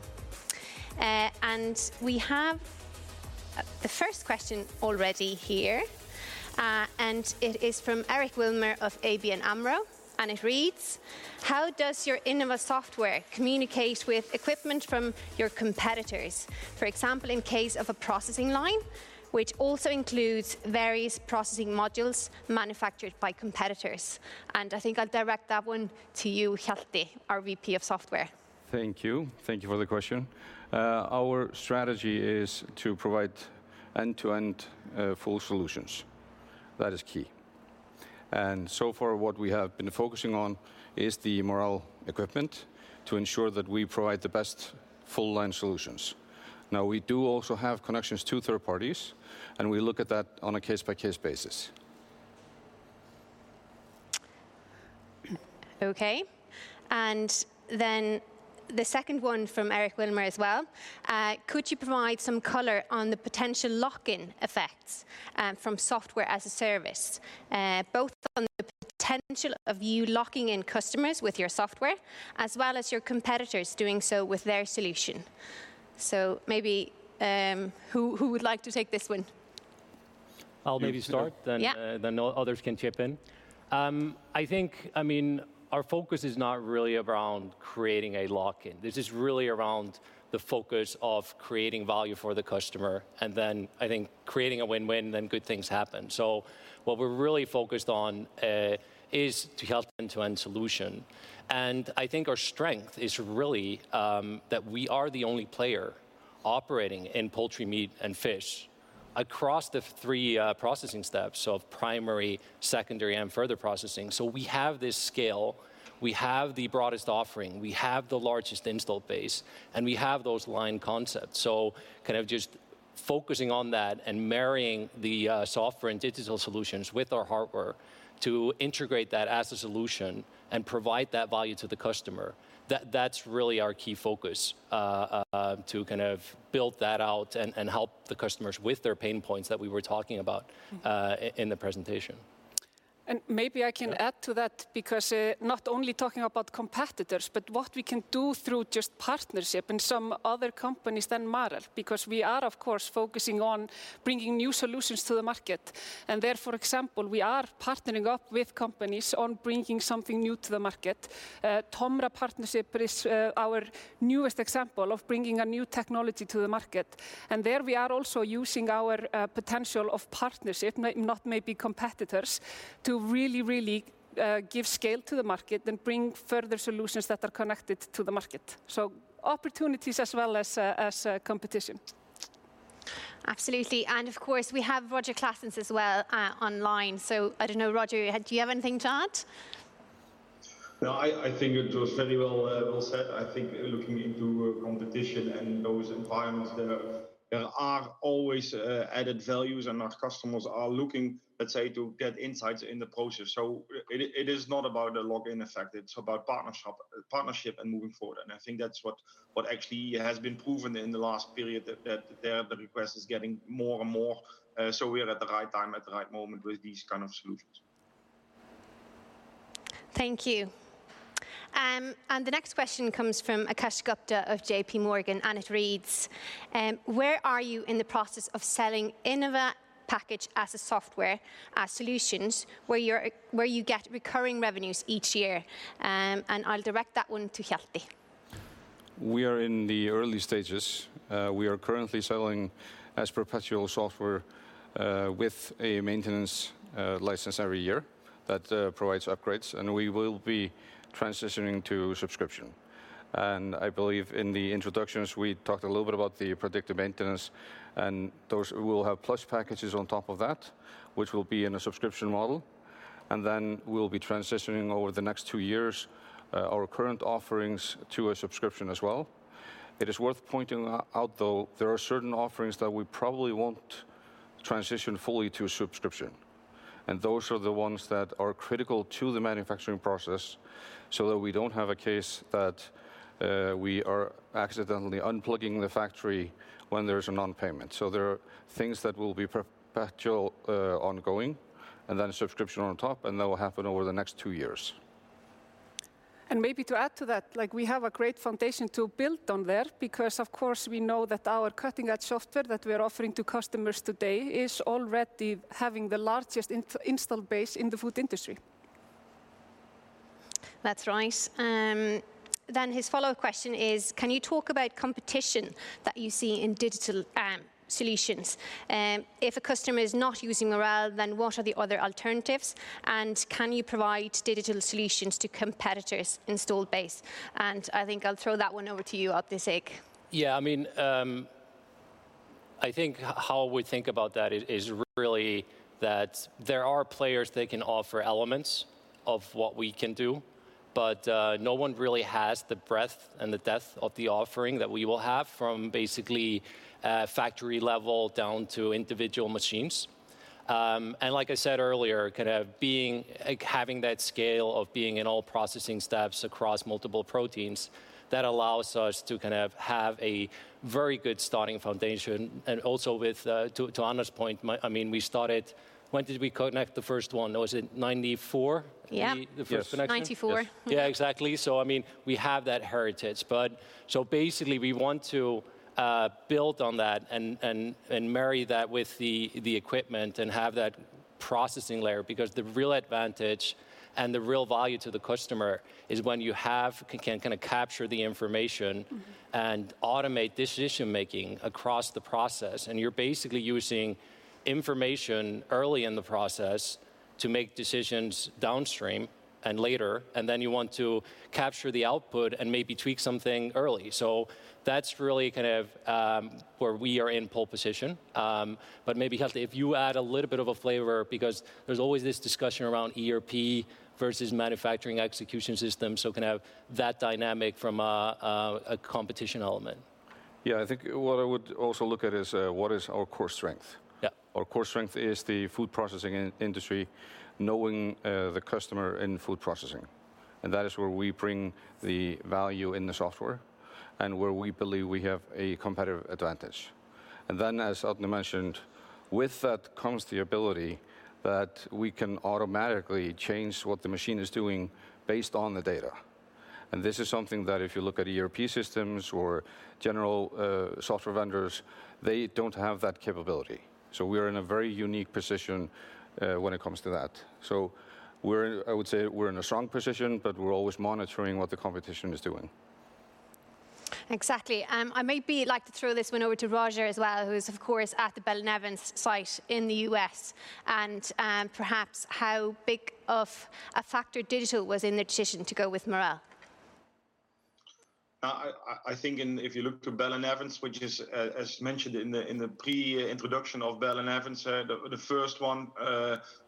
We have the first question already here, and it is from Eric Wilmer of ABN AMRO, and it reads: How does your Innova software communicate with equipment from your competitors? For example, in case of a processing line, which also includes various processing modules manufactured by competitors. I think I'll direct that one to you, Hjalti, our VP of Software. Thank you. Thank you for the question. Our strategy is to provide end-to-end, full solutions. That is key. So far what we have been focusing on is the Marel equipment to ensure that we provide the best full-line solutions. Now, we do also have connections to third parties, and we look at that on a case-by-case basis. Okay. The second one from Eric Wilmer as well. Could you provide some color on the potential lock-in effects from software-as-a-service, both on the potential of you locking in customers with your software as well as your competitors doing so with their solution? Who would like to take this one? I'll maybe start. Sure. Yeah Others can chip in. I think, I mean, our focus is not really around creating a lock-in. This is really around the focus of creating value for the customer and then I think creating a win-win, then good things happen. What we're really focused on is to help end-to-end solution. I think our strength is really that we are the only player operating in poultry, meat, and fish across the three processing steps of primary, secondary, and further processing. We have this scale, we have the broadest offering, we have the largest installed base, and we have those line concepts. Kind of just focusing on that and marrying the software and digital solutions with our hardware to integrate that as a solution and provide that value to the customer. That's really our key focus, to kind of build that out and help the customers with their pain points that we were talking about, in the presentation. Maybe I can add to that because not only talking about competitors, but what we can do through just partnership and some other companies than Marel, because we are of course focusing on bringing new solutions to the market. There, for example, we are partnering up with companies on bringing something new to the market. TOMRA partnership is our newest example of bringing a new technology to the market. There we are also using our potential of partnership, not maybe competitors, to really give scale to the market and bring further solutions that are connected to the market. Opportunities as well as competition. Absolutely. Of course, we have Roger Claessens as well, online. I don't know, Roger, do you have anything to add? No, I think it was very well said. I think looking into competition and those environments, there are always added values and our customers are looking, let's say, to get insights in the process. It is not about the lock-in effect, it's about partnership and moving forward. I think that's what actually has been proven in the last period, that there the request is getting more and more, so we are at the right time, at the right moment with these kind of solutions. Thank you. The next question comes from Akash Gupta of JPMorgan, and it reads: Where are you in the process of selling Innova package as a software solutions where you get recurring revenues each year? I'll direct that one to Hjalti. We are in the early stages. We are currently selling as perpetual software, with a maintenance license every year that provides upgrades, and we will be transitioning to subscription. I believe in the introductions, we talked a little bit about the predictive maintenance, and those will have plus packages on top of that, which will be in a subscription model. Then we'll be transitioning over the next two years, our current offerings to a subscription as well. It is worth pointing out, though, there are certain offerings that we probably won't transition fully to subscription. Those are the ones that are critical to the manufacturing process so that we don't have a case that we are accidentally unplugging the factory when there's a non-payment. There are things that will be perpetual, ongoing, and then a subscription on top, and that will happen over the next two years. Maybe to add to that, like, we have a great foundation to build on there because, of course, we know that our cutting-edge software that we're offering to customers today is already having the largest installed base in the food industry. That's right. His follow-up question is: Can you talk about competition that you see in digital solutions? If a customer is not using Marel, then what are the other alternatives? Can you provide digital solutions to competitors' install base? I think I'll throw that one over to you, Arni Sigurdsson. Yeah, I mean, I think how we think about that is really that there are players that can offer elements of what we can do, but no one really has the breadth and the depth of the offering that we will have from basically factory level down to individual machines. Like I said earlier, kind of being, like, having that scale of being in all processing steps across multiple proteins, that allows us to kind of have a very good starting foundation. Also with to Anna's point, I mean, we started, when did we connect the first one? Was it 1994? Yeah. The first connection. Ninety-four. Yeah, exactly. I mean, we have that heritage. Basically, we want to build on that and marry that with the equipment and have that processing layer because the real advantage and the real value to the customer is when you can kind of capture the information. Mm-hmm automate decision-making across the process. You're basically using information early in the process to make decisions downstream and later, and then you want to capture the output and maybe tweak something early. That's really kind of where we are in pole position. Maybe, Hjalti, if you add a little bit of a flavor because there's always this discussion around ERP versus manufacturing execution system, so kind of that dynamic from a competition element. Yeah, I think what I would also look at is, what is our core strength? Yeah. Our core strength is the food processing industry, knowing the customer in food processing, and that is where we bring the value in the software and where we believe we have a competitive advantage. As Oddný mentioned, with that comes the ability that we can automatically change what the machine is doing based on the data. This is something that if you look at ERP systems or general software vendors, they don't have that capability. We're in a very unique position when it comes to that. We're in a strong position, but we're always monitoring what the competition is doing. Exactly. I maybe like to throw this one over to Roger as well, who is, of course, at the Bell & Evans site in the U.S., and, perhaps how big of a factor digital was in the decision to go with Marel. I think if you look to Bell & Evans, which is, as mentioned in the pre-introduction of Bell & Evans, the first one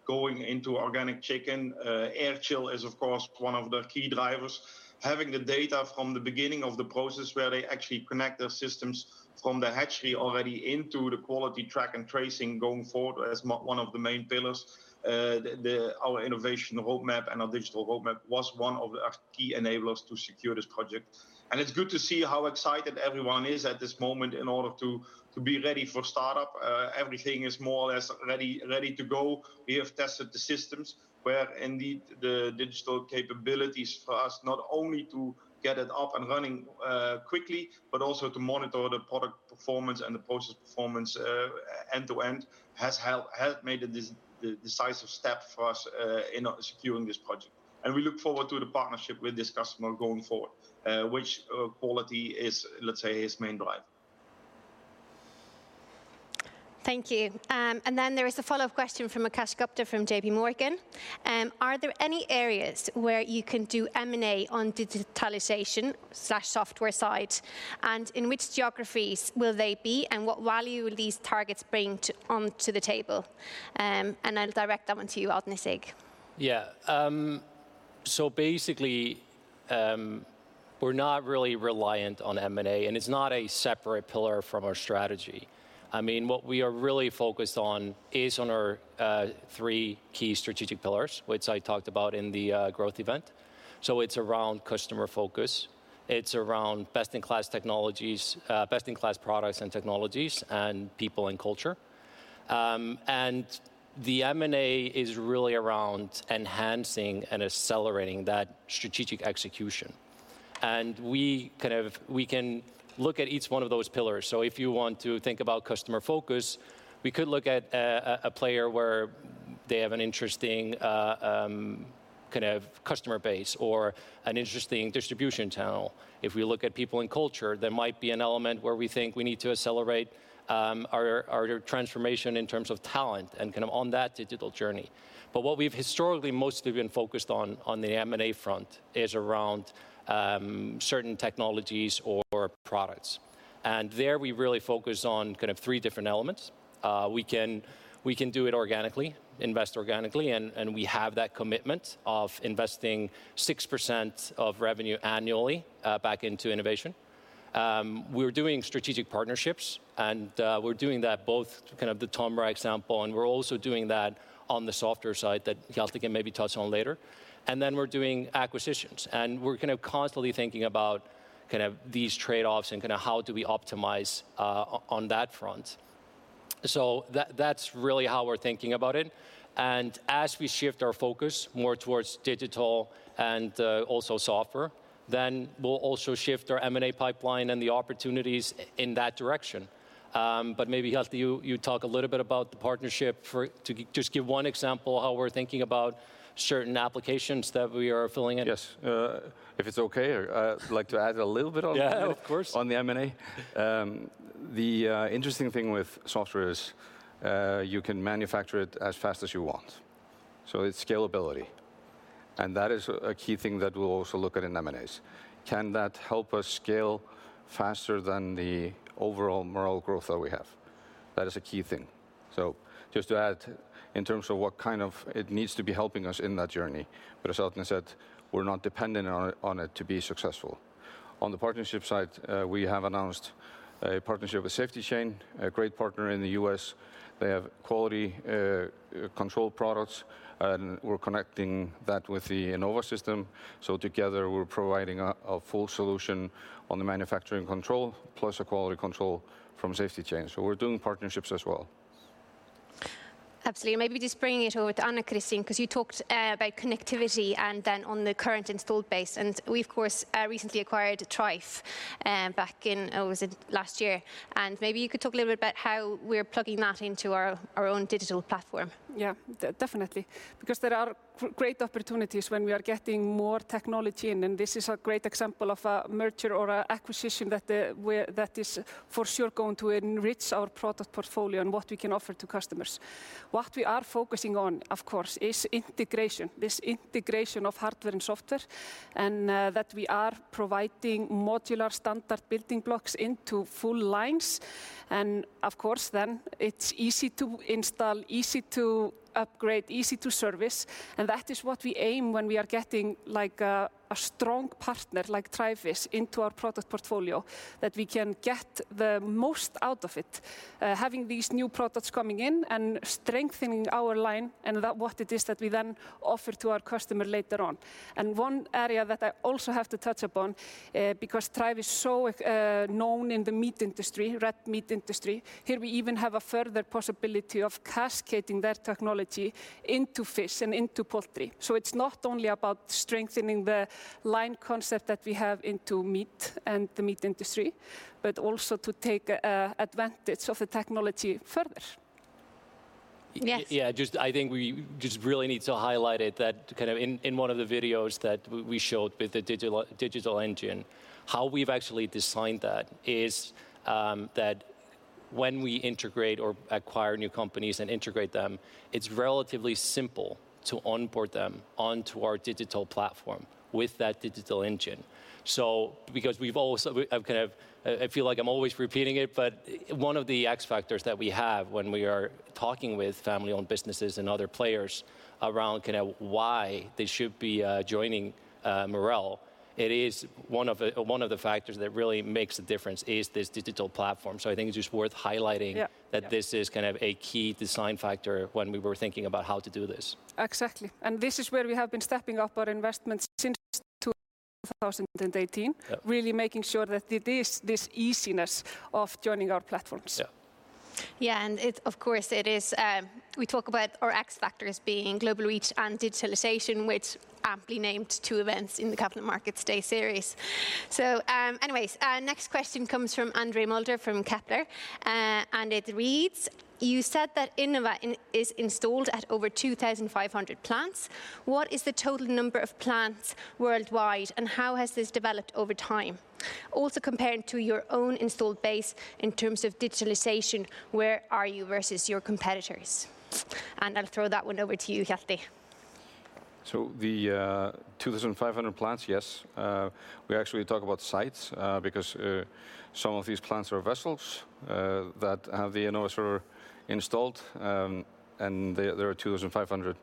going into organic chicken, air chill is of course one of the key drivers. Having the data from the beginning of the process where they actually connect their systems from the hatchery already into the quality track and tracing going forward is one of the main pillars. Our innovation roadmap and our digital roadmap was one of the key enablers to secure this project. It's good to see how excited everyone is at this moment in order to be ready for startup. Everything is more or less ready to go. We have tested the systems where indeed the digital capabilities for us, not only to get it up and running quickly, but also to monitor the product performance and the process performance end to end has helped made the decisive step for us in securing this project. We look forward to the partnership with this customer going forward, which quality is, let's say, the main drive. Thank you. There is a follow-up question from Akash Gupta from JPMorgan. Are there any areas where you can do M&A on digitalization/software side, and in which geographies will they be, and what value will these targets bring onto the table? I'll direct that one to you, Arni Sigurdsson. Yeah. Basically, we're not really reliant on M&A, and it's not a separate pillar from our strategy. I mean, what we are really focused on is on our three key strategic pillars, which I talked about in the growth event. It's around customer focus, it's around best-in-class technologies, best-in-class products and technologies, and people and culture. The M&A is really around enhancing and accelerating that strategic execution. We can look at each one of those pillars. If you want to think about customer focus, we could look at a player where they have an interesting kind of customer base or an interesting distribution channel. If we look at people and culture, there might be an element where we think we need to accelerate our transformation in terms of talent and kind of on that digital journey. What we've historically mostly been focused on the M&A front is around certain technologies or products. There we really focus on kind of three different elements. We can do it organically, invest organically, and we have that commitment of investing 6% of revenue annually back into innovation. We're doing strategic partnerships, and we're doing that both kind of the TOMRA example, and we're also doing that on the softer side that Hjalti can maybe touch on later. We're doing acquisitions, and we're kind of constantly thinking about kind of these trade-offs and kinda how do we optimize on that front. That's really how we're thinking about it. As we shift our focus more towards digital and also software, then we'll also shift our M&A pipeline and the opportunities in that direction. Maybe, Hjalti, you talk a little bit about the partnership to just give one example how we're thinking about certain applications that we are filling in. Yes. If it's okay, I'd like to add a little bit on- Yeah, of course. On the M&A. The interesting thing with software is you can manufacture it as fast as you want, so it's scalability. That is a key thing that we'll also look at in M&As. Can that help us scale faster than the overall Marel growth that we have? That is a key thing. Just to add in terms of what kind of it needs to be helping us in that journey. As Arni said, we're not dependent on it to be successful. On the partnership side, we have announced a partnership with SafetyChain, a great partner in the U.S. They have quality control products, and we're connecting that with the Innova system. Together, we're providing a full solution on the manufacturing control, plus a quality control from SafetyChain. We're doing partnerships as well. Absolutely. Maybe just bringing it over to Anna Kristín, 'cause you talked about connectivity and then on the current installed base, and we of course recently acquired TREIF back in, was it last year. Maybe you could talk a little bit about how we're plugging that into our own digital platform. Yeah, definitely. Because there are great opportunities when we are getting more technology in, and this is a great example of a merger or an acquisition that is for sure going to enrich our product portfolio and what we can offer to customers. What we are focusing on, of course, is integration, this integration of hardware and software, and that we are providing modular standard building blocks into full lines. Of course then it's easy to install, easy to upgrade, easy to service, and that is what we aim when we are getting like a strong partner like TREIF into our product portfolio, that we can get the most out of it. Having these new products coming in and strengthening our line and that's what it is that we then offer to our customer later on. One area that I also have to touch upon, because TREIF is so known in the meat industry, red meat industry, here we even have a further possibility of cascading their technology into fish and into poultry. It's not only about strengthening the line concept that we have into meat and the meat industry, but also to take advantage of the technology further. Yes. Yeah, just I think we really need to highlight it that kind of in one of the videos that we showed with the digital engine, how we've actually designed that is, that when we integrate or acquire new companies and integrate them, it's relatively simple to onboard them onto our digital platform with that digital engine. Because we've always I've kind of, I feel like I'm always repeating it, but one of the X factors that we have when we are talking with family-owned businesses and other players around kind of why they should be joining Marel, it is one of the factors that really makes a difference is this digital platform. I think it's just worth highlighting. Yeah. Yeah that this is kind of a key design factor when we were thinking about how to do this. Exactly. This is where we have been stepping up our investments since 2018. Yeah. Really making sure that it is this easiness of joining our platforms. Yeah. Yeah. It, of course, is, we talk about our X factors being global reach and digitalization, which aptly named two events in the Capital Markets Day series. Next question comes from Andre Mulder from Kepler, and it reads: You said that Innova is installed at over 2,500 plants. What is the total number of plants worldwide, and how has this developed over time? Also comparing to your own installed base in terms of digitalization, where are you versus your competitors? I'll throw that one over to you, Hjalti. The 2,500 plants, yes. We actually talk about sites, because some of these plants are vessels that have the Innova installed, and there are 2,500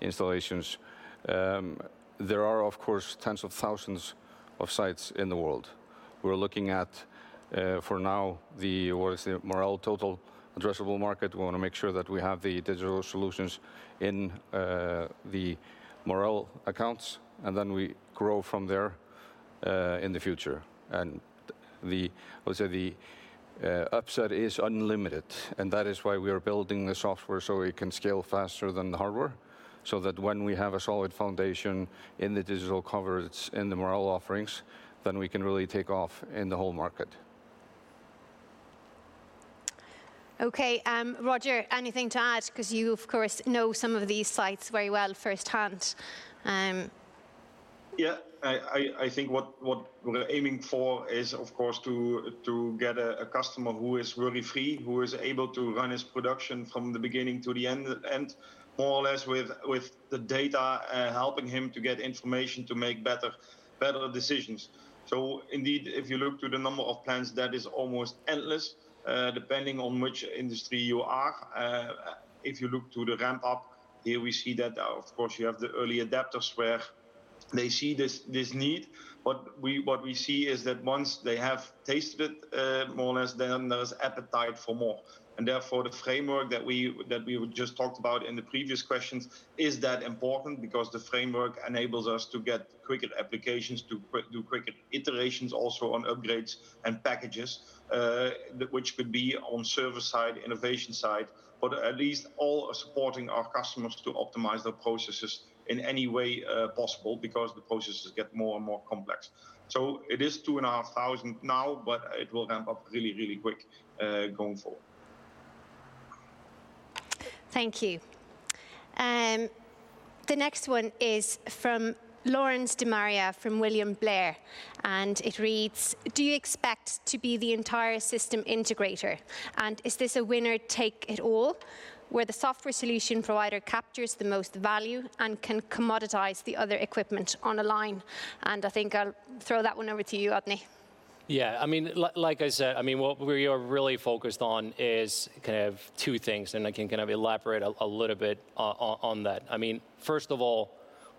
installations. There are, of course, tens of thousands of sites in the world. We're looking at, for now, the Marel total addressable market. We wanna make sure that we have the digital solutions in the Marel accounts, and then we grow from there in the future. I would say the upside is unlimited, and that is why we are building the software so it can scale faster than the hardware, so that when we have a solid foundation in the digital coverage in the Marel offerings, then we can really take off in the whole market. Okay. Roger, anything to add? 'Cause you of course know some of these sites very well firsthand. Yeah. I think what we're aiming for is, of course, to get a customer who is worry-free, who is able to run his production from the beginning to the end, and more or less with the data helping him to get information to make better decisions. Indeed, if you look at the number of plants, that is almost endless, depending on which industry you are. If you look at the ramp up, here we see that, of course you have the early adopters where they see this need. What we see is that once they have tasted it, more or less, then there's appetite for more. Therefore, the framework that we just talked about in the previous questions is that important because the framework enables us to get quicker applications, to do quicker iterations also on upgrades and packages, which could be on server side, innovation side. At least all are supporting our customers to optimize their processes in any way possible because the processes get more and more complex. It is 2,500 now, but it will ramp up really, really quick going forward. Thank you. The next one is from Lawrence DeMaria from William Blair, and it reads: Do you expect to be the entire system integrator? And is this a winner take it all, where the software solution provider captures the most value and can commoditize the other equipment on the line? And I think I'll throw that one over to you, Árni. Yeah. I mean, like I said, I mean, what we are really focused on is kind of two things, and I can kind of elaborate a little bit on that. I mean, first of all,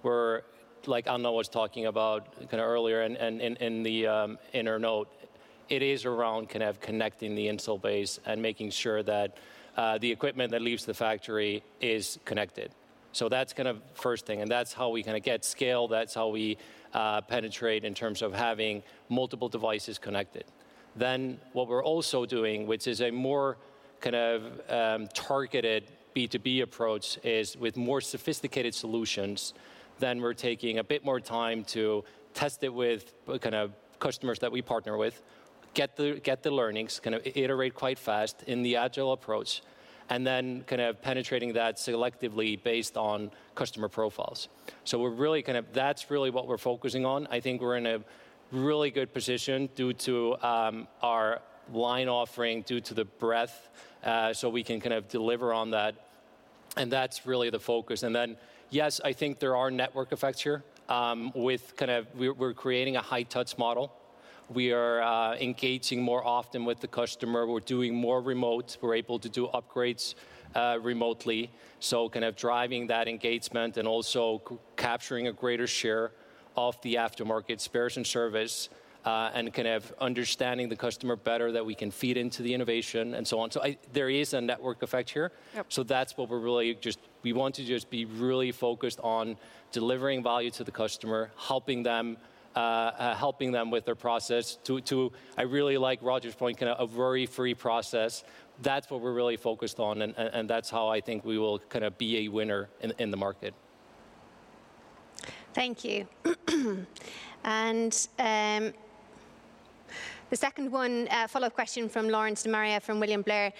we're, like Anna was talking about kind of earlier in the, in her note, it is around kind of connecting the installed base and making sure that the equipment that leaves the factory is connected. So that's kind of first thing, and that's how we kind of get scale. That's how we penetrate in terms of having multiple devices connected. What we're also doing, which is a more kind of targeted B2B approach, is with more sophisticated solutions, then we're taking a bit more time to test it with the kind of customers that we partner with, get the learnings, kind of iterate quite fast in the agile approach, and then kind of penetrating that selectively based on customer profiles. That's really what we're focusing on. I think we're in a really good position due to our line offering, due to the breadth, so we can kind of deliver on that, and that's really the focus. Yes, I think there are network effects here, with kind of. We're creating a high-touch model. We are engaging more often with the customer. We're doing more remote. We're able to do upgrades remotely, so kind of driving that engagement and also capturing a greater share of the aftermarket spares and service, and kind of understanding the customer better that we can feed into the innovation and so on. There is a network effect here. Yep. We want to just be really focused on delivering value to the customer, helping them with their process to, I really like Roger's point, kind of a worry-free process. That's what we're really focused on and that's how I think we will kind of be a winner in the market. Thank you. The second one, follow-up question from Lawrence De Maria from William Blair.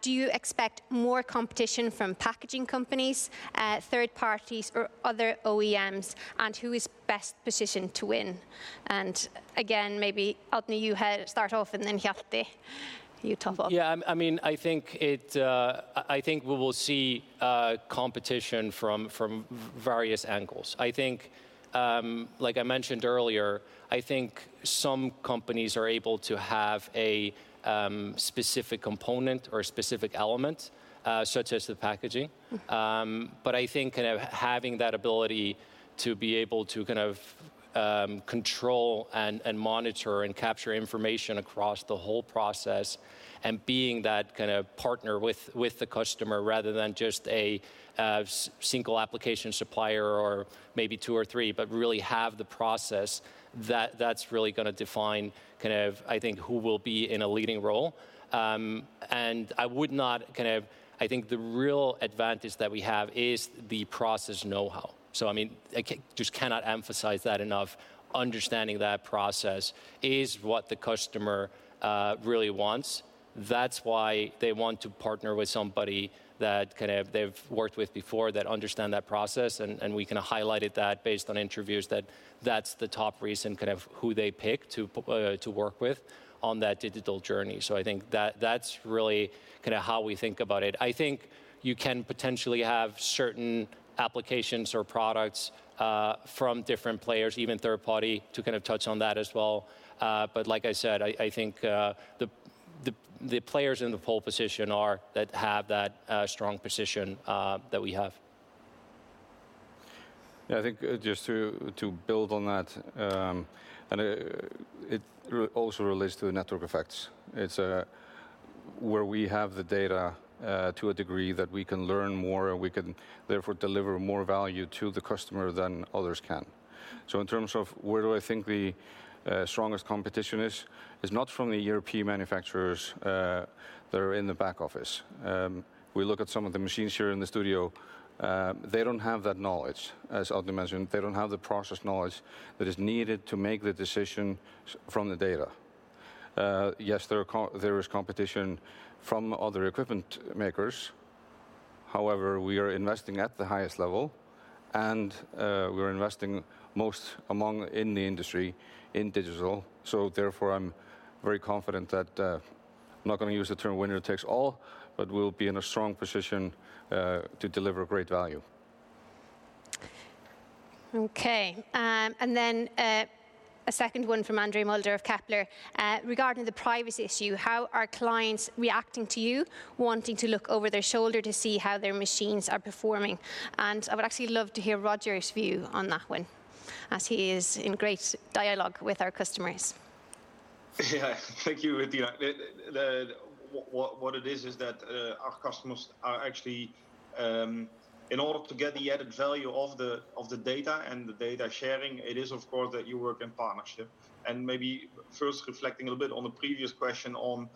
Do you expect more competition from packaging companies, third parties or other OEMs, and who is best positioned to win? Again, maybe Árni you start off and then Hjalti, you top off. I mean, I think we will see competition from various angles. I think, like I mentioned earlier, I think some companies are able to have a specific component or a specific element, such as the packaging. But I think kind of having that ability to be able to kind of control and monitor and capture information across the whole process and being that kind of partner with the customer rather than just a single application supplier or maybe two or three, but really have the process, that's really gonna define kind of, I think, who will be in a leading role. I think the real advantage that we have is the process know-how. I mean, just cannot emphasize that enough. Understanding that process is what the customer really wants. That's why they want to partner with somebody that kind of they've worked with before that understand that process, and we kinda highlighted that based on interviews that that's the top reason kind of who they pick to work with on that digital journey. I think that's really kinda how we think about it. I think you can potentially have certain applications or products from different players, even third party, to kind of touch on that as well. Like I said, I think the players in the pole position are that have that strong position that we have. I think just to build on that, it also relates to the network effects. It is where we have the data to a degree that we can learn more and we can therefore deliver more value to the customer than others can. In terms of where do I think the strongest competition is, it is not from the European manufacturers that are in the back office. We look at some of the machines here in the studio, they don't have that knowledge, as Árni mentioned. They don't have the process knowledge that is needed to make the decisions from the data. Yes, there is competition from other equipment makers. However, we are investing at the highest level, and we're investing the most in the industry in digital. I'm very confident that, I'm not gonna use the term winner takes all, but we'll be in a strong position to deliver great value. Okay. A second one from Andre Mulder of Kepler. Regarding the privacy issue, how are clients reacting to you wanting to look over their shoulder to see how their machines are performing? I would actually love to hear Roger's view on that one as he is in great dialogue with our customers. Yeah. Thank you, Tinna. What it is that our customers are actually in order to get the added value of the data and the data sharing, it is of course that you work in partnership. Maybe first reflecting a little bit on the previous question on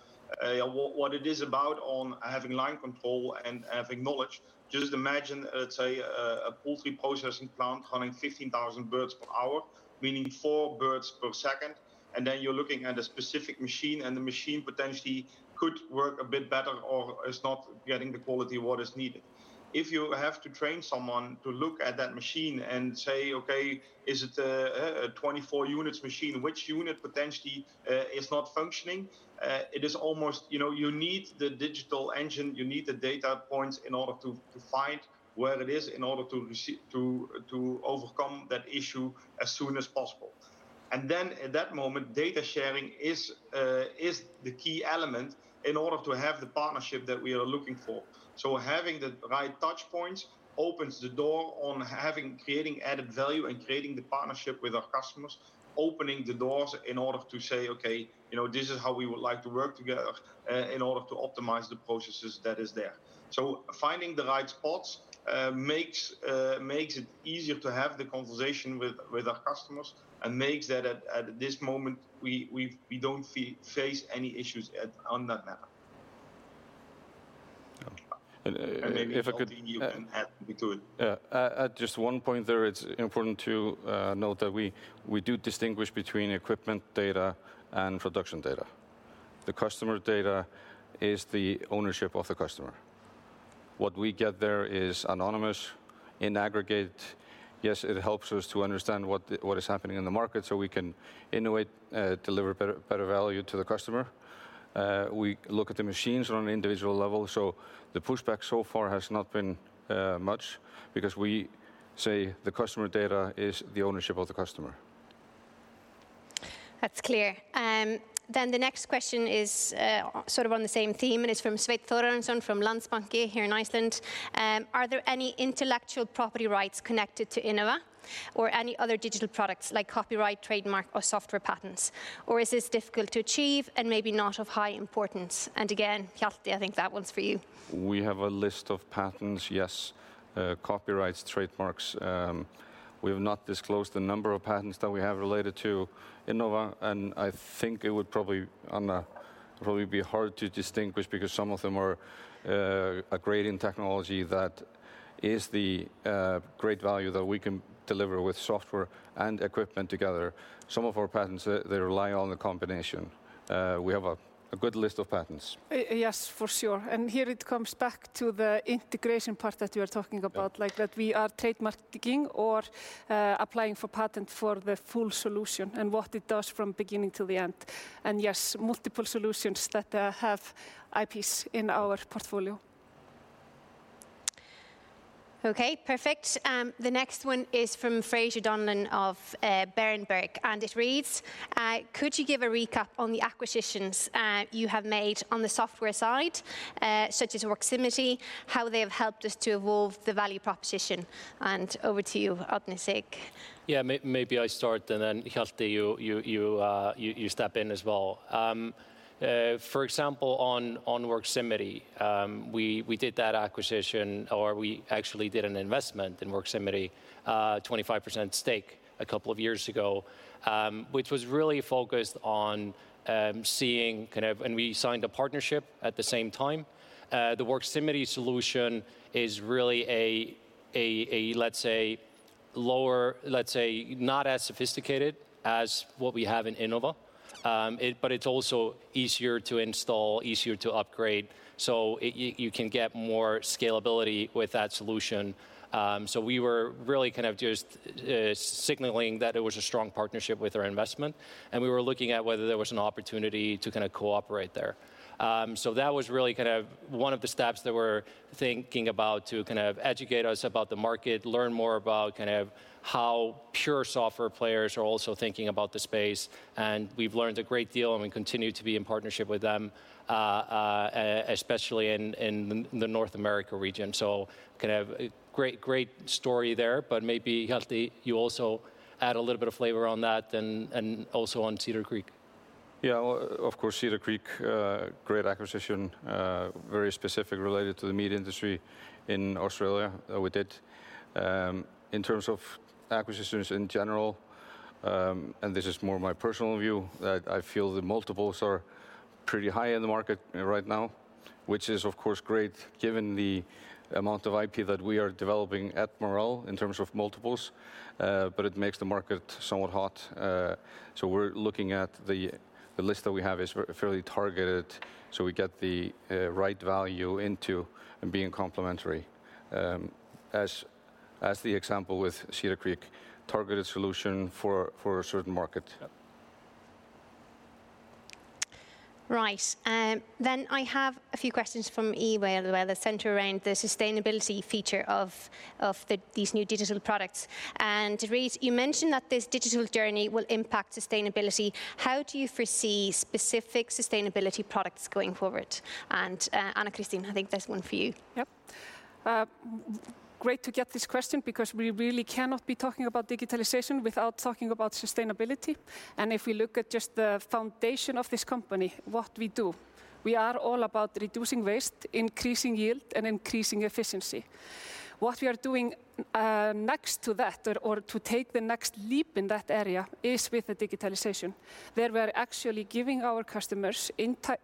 what it is about on having line control and having knowledge, just imagine, let's say, a poultry processing plant handling 15,000 birds per hour, meaning four birds per second, and then you're looking at a specific machine, and the machine potentially could work a bit better or is not getting the quality of what is needed. If you have to train someone to look at that machine and say, "Okay, is it a 24 unit machine? Which unit potentially is not functioning?" It is almost. You know, you need the digital engine, you need the data points in order to find where it is in order to overcome that issue as soon as possible. Then at that moment, data sharing is the key element in order to have the partnership that we are looking for. Having the right touch points opens the door on having, creating added value and creating the partnership with our customers, opening the doors in order to say, "Okay, you know, this is how we would like to work together in order to optimize the processes that is there." Finding the right spots makes it easier to have the conversation with our customers and makes that at this moment, we don't face any issues on that matter. If I could. Maybe something you can add to it. Yeah. Just one point there. It's important to note that we do distinguish between equipment data and production data. The customer data is the ownership of the customer. What we get there is anonymous in aggregate. Yes, it helps us to understand what is happening in the market so we can innovate, deliver better value to the customer. We look at the machines on an individual level, so the pushback so far has not been much because we say the customer data is the ownership of the customer. That's clear. The next question is sort of on the same theme, and it's from Sveinn Thorarinsson from Landsbankinn here in Iceland. Are there any intellectual property rights connected to Innova or any other digital products like copyright, trademark, or software patents? Or is this difficult to achieve and maybe not of high importance? Again, Hjalti, I think that one's for you. We have a list of patents, yes, copyrights, trademarks. We have not disclosed the number of patents that we have related to Innova, and I think it would probably, Anna, be hard to distinguish because some of them are integrated technology that is the great value that we can deliver with software and equipment together. Some of our patents, they rely on the combination. We have a good list of patents. Yes, for sure. Here it comes back to the integration part that you are talking about. Yeah... like that we are trademarking or applying for patent for the full solution and what it does from beginning to the end. Yes, multiple solutions that have IPs in our portfolio. Okay. Perfect. The next one is from Fraser Donlon of Berenberg, and it reads, "Could you give a recap on the acquisitions you have made on the software side, such as Worximity, how they have helped us to evolve the value proposition?" Over to you, Arni Sigurdsson. Maybe I start and then, Hjalti, you step in as well. For example, on Worximity, we did that acquisition, or we actually did an investment in Worximity, 25% stake a couple of years ago, which was really focused on seeing kind of. We signed a partnership at the same time. The Worximity solution is really a, let's say, lower, let's say, not as sophisticated as what we have in Innova. But it's also easier to install, easier to upgrade, so you can get more scalability with that solution. We were really kind of just signaling that it was a strong partnership with our investment, and we were looking at whether there was an opportunity to kinda cooperate there. That was really kind of one of the steps that we're thinking about to kind of educate us about the market, learn more about kind of how pure software players are also thinking about the space, and we've learned a great deal, and we continue to be in partnership with them, especially in the North America region. Kind of great story there. Maybe, Hjalti, you also add a little bit of flavor on that then, and also on Cedar Creek. Yeah, well, of course, Cedar Creek, great acquisition, very specific related to the meat industry in Australia that we did. In terms of acquisitions in general, and this is more my personal view, that I feel the multiples are pretty high in the market right now, which is of course great given the amount of IP that we are developing at Marel in terms of multiples. But it makes the market somewhat hot. So we're looking at the list that we have is very targeted, so we get the right value into being complementary. As the example with Cedar Creek, targeted solution for a certain market. Right. I have a few questions from email that center around the sustainability feature of these new digital products. Kris, you mentioned that this digital journey will IMPAQT sustainability. How do you foresee specific sustainability products going forward? Anna Kristín, I think there's one for you. Yep. Great to get this question because we really cannot be talking about digitalization without talking about sustainability. If we look at just the foundation of this company, what we do, we are all about reducing waste, increasing yield and increasing efficiency. What we are doing next to that or to take the next leap in that area is with the digitalization. There we're actually giving our customers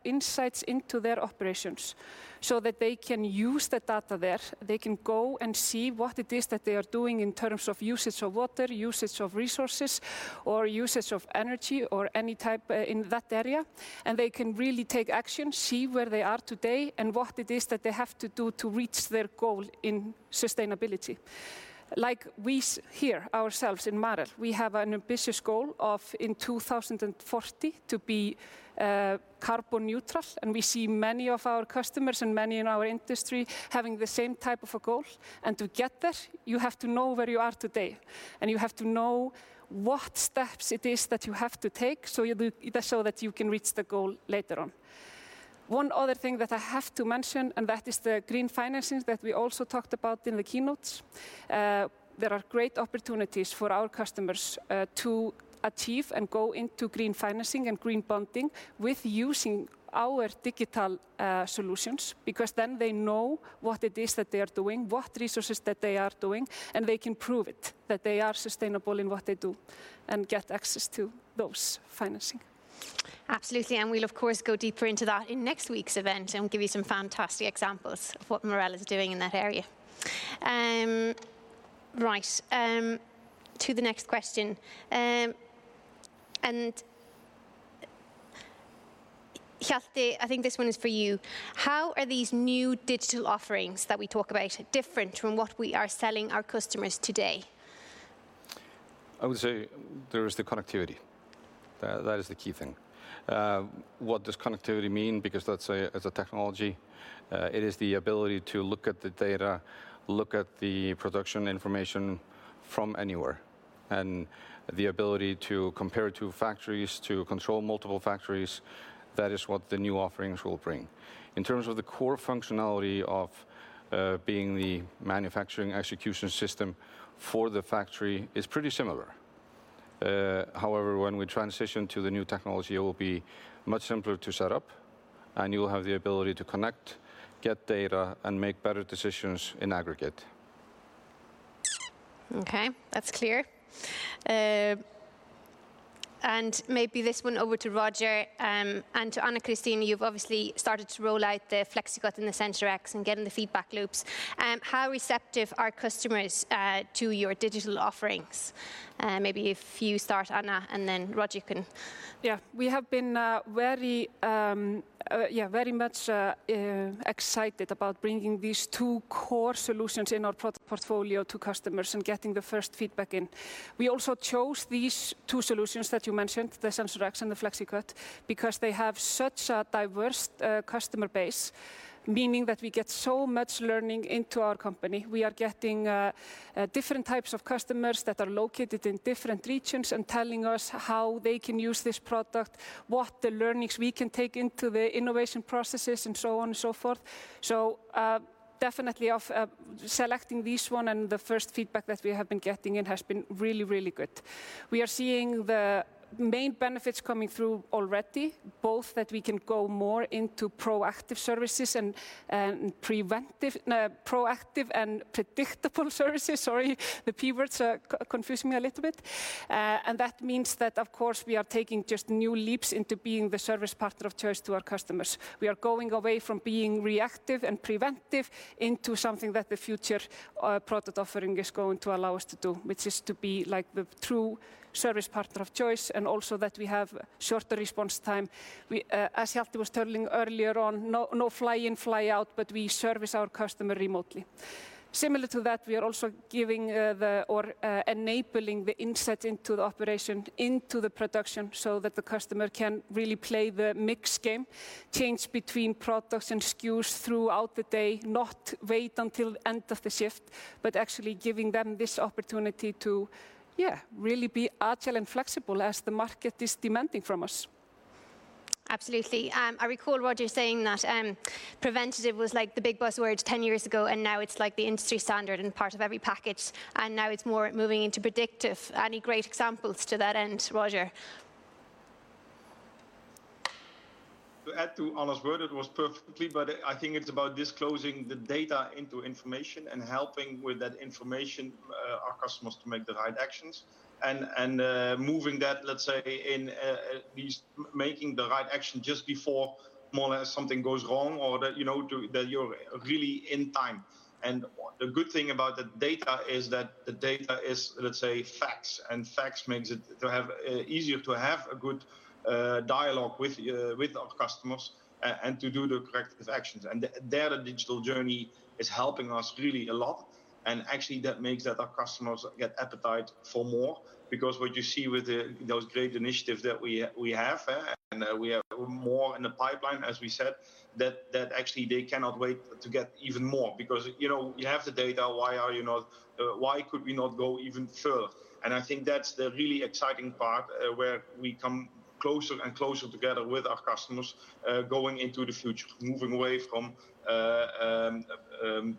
insights into their operations so that they can use the data there. They can go and see what it is that they are doing in terms of usage of water, usage of resources or usage of energy or any type in that area. They can really take action, see where they are today and what it is that they have to do to reach their goal in sustainability. Like we see ourselves in Marel, we have an ambitious goal of in 2040 to be carbon neutral, and we see many of our customers and many in our industry having the same type of a goal. To get there, you have to know where you are today, and you have to know what steps it is that you have to take, so that you can reach the goal later on. One other thing that I have to mention, and that is the green financings that we also talked about in the keynotes. There are great opportunities for our customers to achieve and go into green financing and green bonding with using our digital solutions because then they know what it is that they are doing, what resources that they are using, and they can prove it that they are sustainable in what they do and get access to those financing. Absolutely. We'll of course go deeper into that in next week's event and give you some fantastic examples of what Marel is doing in that area. Right. To the next question. Hjalti, I think this one is for you. How are these new digital offerings that we talk about different from what we are selling our customers today? I would say there is the connectivity. That is the key thing. What does connectivity mean? Because it's a technology. It is the ability to look at the data, look at the production information from anywhere, and the ability to compare it to factories, to control multiple factories. That is what the new offerings will bring. In terms of the core functionality of being the manufacturing execution system for the factory is pretty similar. However, when we transition to the new technology, it will be much simpler to set up and you will have the ability to connect, get data, and make better decisions in aggregate. Okay, that's clear. Maybe this one over to Roger, and to Anna Kristín. You've obviously started to roll out the FleXicut and the SensorX and getting the feedback loops. How receptive are customers to your digital offerings? Maybe if you start, Anna, and then Roger can... We have been very much excited about bringing these two core solutions in our portfolio to customers and getting the first feedback in. We also chose these two solutions that you mentioned, the SensorX and the FleXicut, because they have such a diverse customer base, meaning that we get so much learning into our company. We are getting different types of customers that are located in different regions and telling us how they can use this product, what the learnings we can take into the innovation processes, and so on and so forth. Definitely selecting this one and the first feedback that we have been getting in has been really, really good. We are seeing the main benefits coming through already, both that we can go more into proactive services and proactive and predictable services. Sorry, the P words are confusing me a little bit. That means that of course, we are taking just new leaps into being the service partner of choice to our customers. We are going away from being reactive and preventive into something that the future product offering is going to allow us to do, which is to be like the true service partner of choice and also that we have shorter response time. As Hjalti was telling earlier on, no fly in, fly out, but we service our customer remotely. Similar to that, we are also enabling the insight into the operation, into the production, so that the customer can really play the mix game, change between products and SKUs throughout the day, not wait until end of the shift, but actually giving them this opportunity to, yeah, really be agile and flexible as the market is demanding from us. Absolutely. I recall Roger saying that preventative was like the big buzzword 10 years ago, and now it's like the industry standard and part of every package, and now it's more moving into predictive. Any great examples to that end, Roger? To add to Anna's word, it was perfectly, but I think it's about disclosing the data into information and helping with that information, our customers to make the right actions. I think it's about moving that, let's say, at least making the right action just before more or less something goes wrong or that, you know, that you're really in time. The good thing about the data is that the data is, let's say, facts, and facts makes it easier to have a good dialogue with our customers and to do the corrective actions. Their digital journey is helping us really a lot, and actually that makes that our customers get appetite for more. Because what you see with those great initiatives that we have and we have more in the pipeline, as we said, that actually they cannot wait to get even more. Because, you know, you have the data, why could we not go even further? I think that's the really exciting part, where we come closer and closer together with our customers, going into the future, moving away from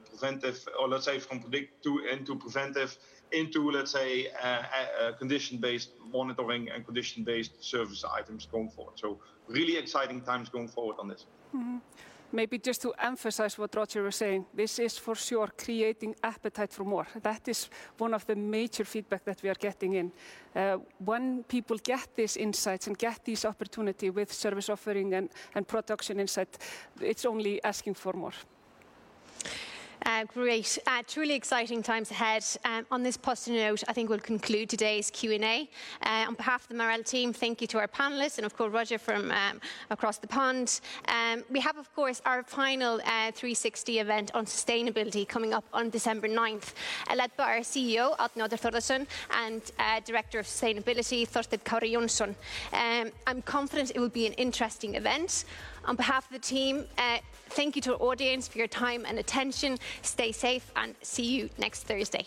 preventive or, let's say, from predictive to preventive into a condition-based monitoring and condition-based service items going forward. Really exciting times going forward on this. Mm-hmm. Maybe just to emphasize what Roger was saying, this is for sure creating appetite for more. That is one of the major feedback that we are getting in. When people get these insights and get this opportunity with service offering and production insight, it's only asking for more. Great. Truly exciting times ahead. On this positive note, I think we'll conclude today's Q&A. On behalf of the Marel team, thank you to our panelists and of course Roger from across the pond. We have of course our final 360 event on sustainability coming up on December ninth, led by our CEO, Arni Oddur Thordarson, and Director of Sustainability, Þorsteinn Kári Jónsson. I'm confident it will be an interesting event. On behalf of the team, thank you to our audience for your time and attention. Stay safe and see you next Thursday.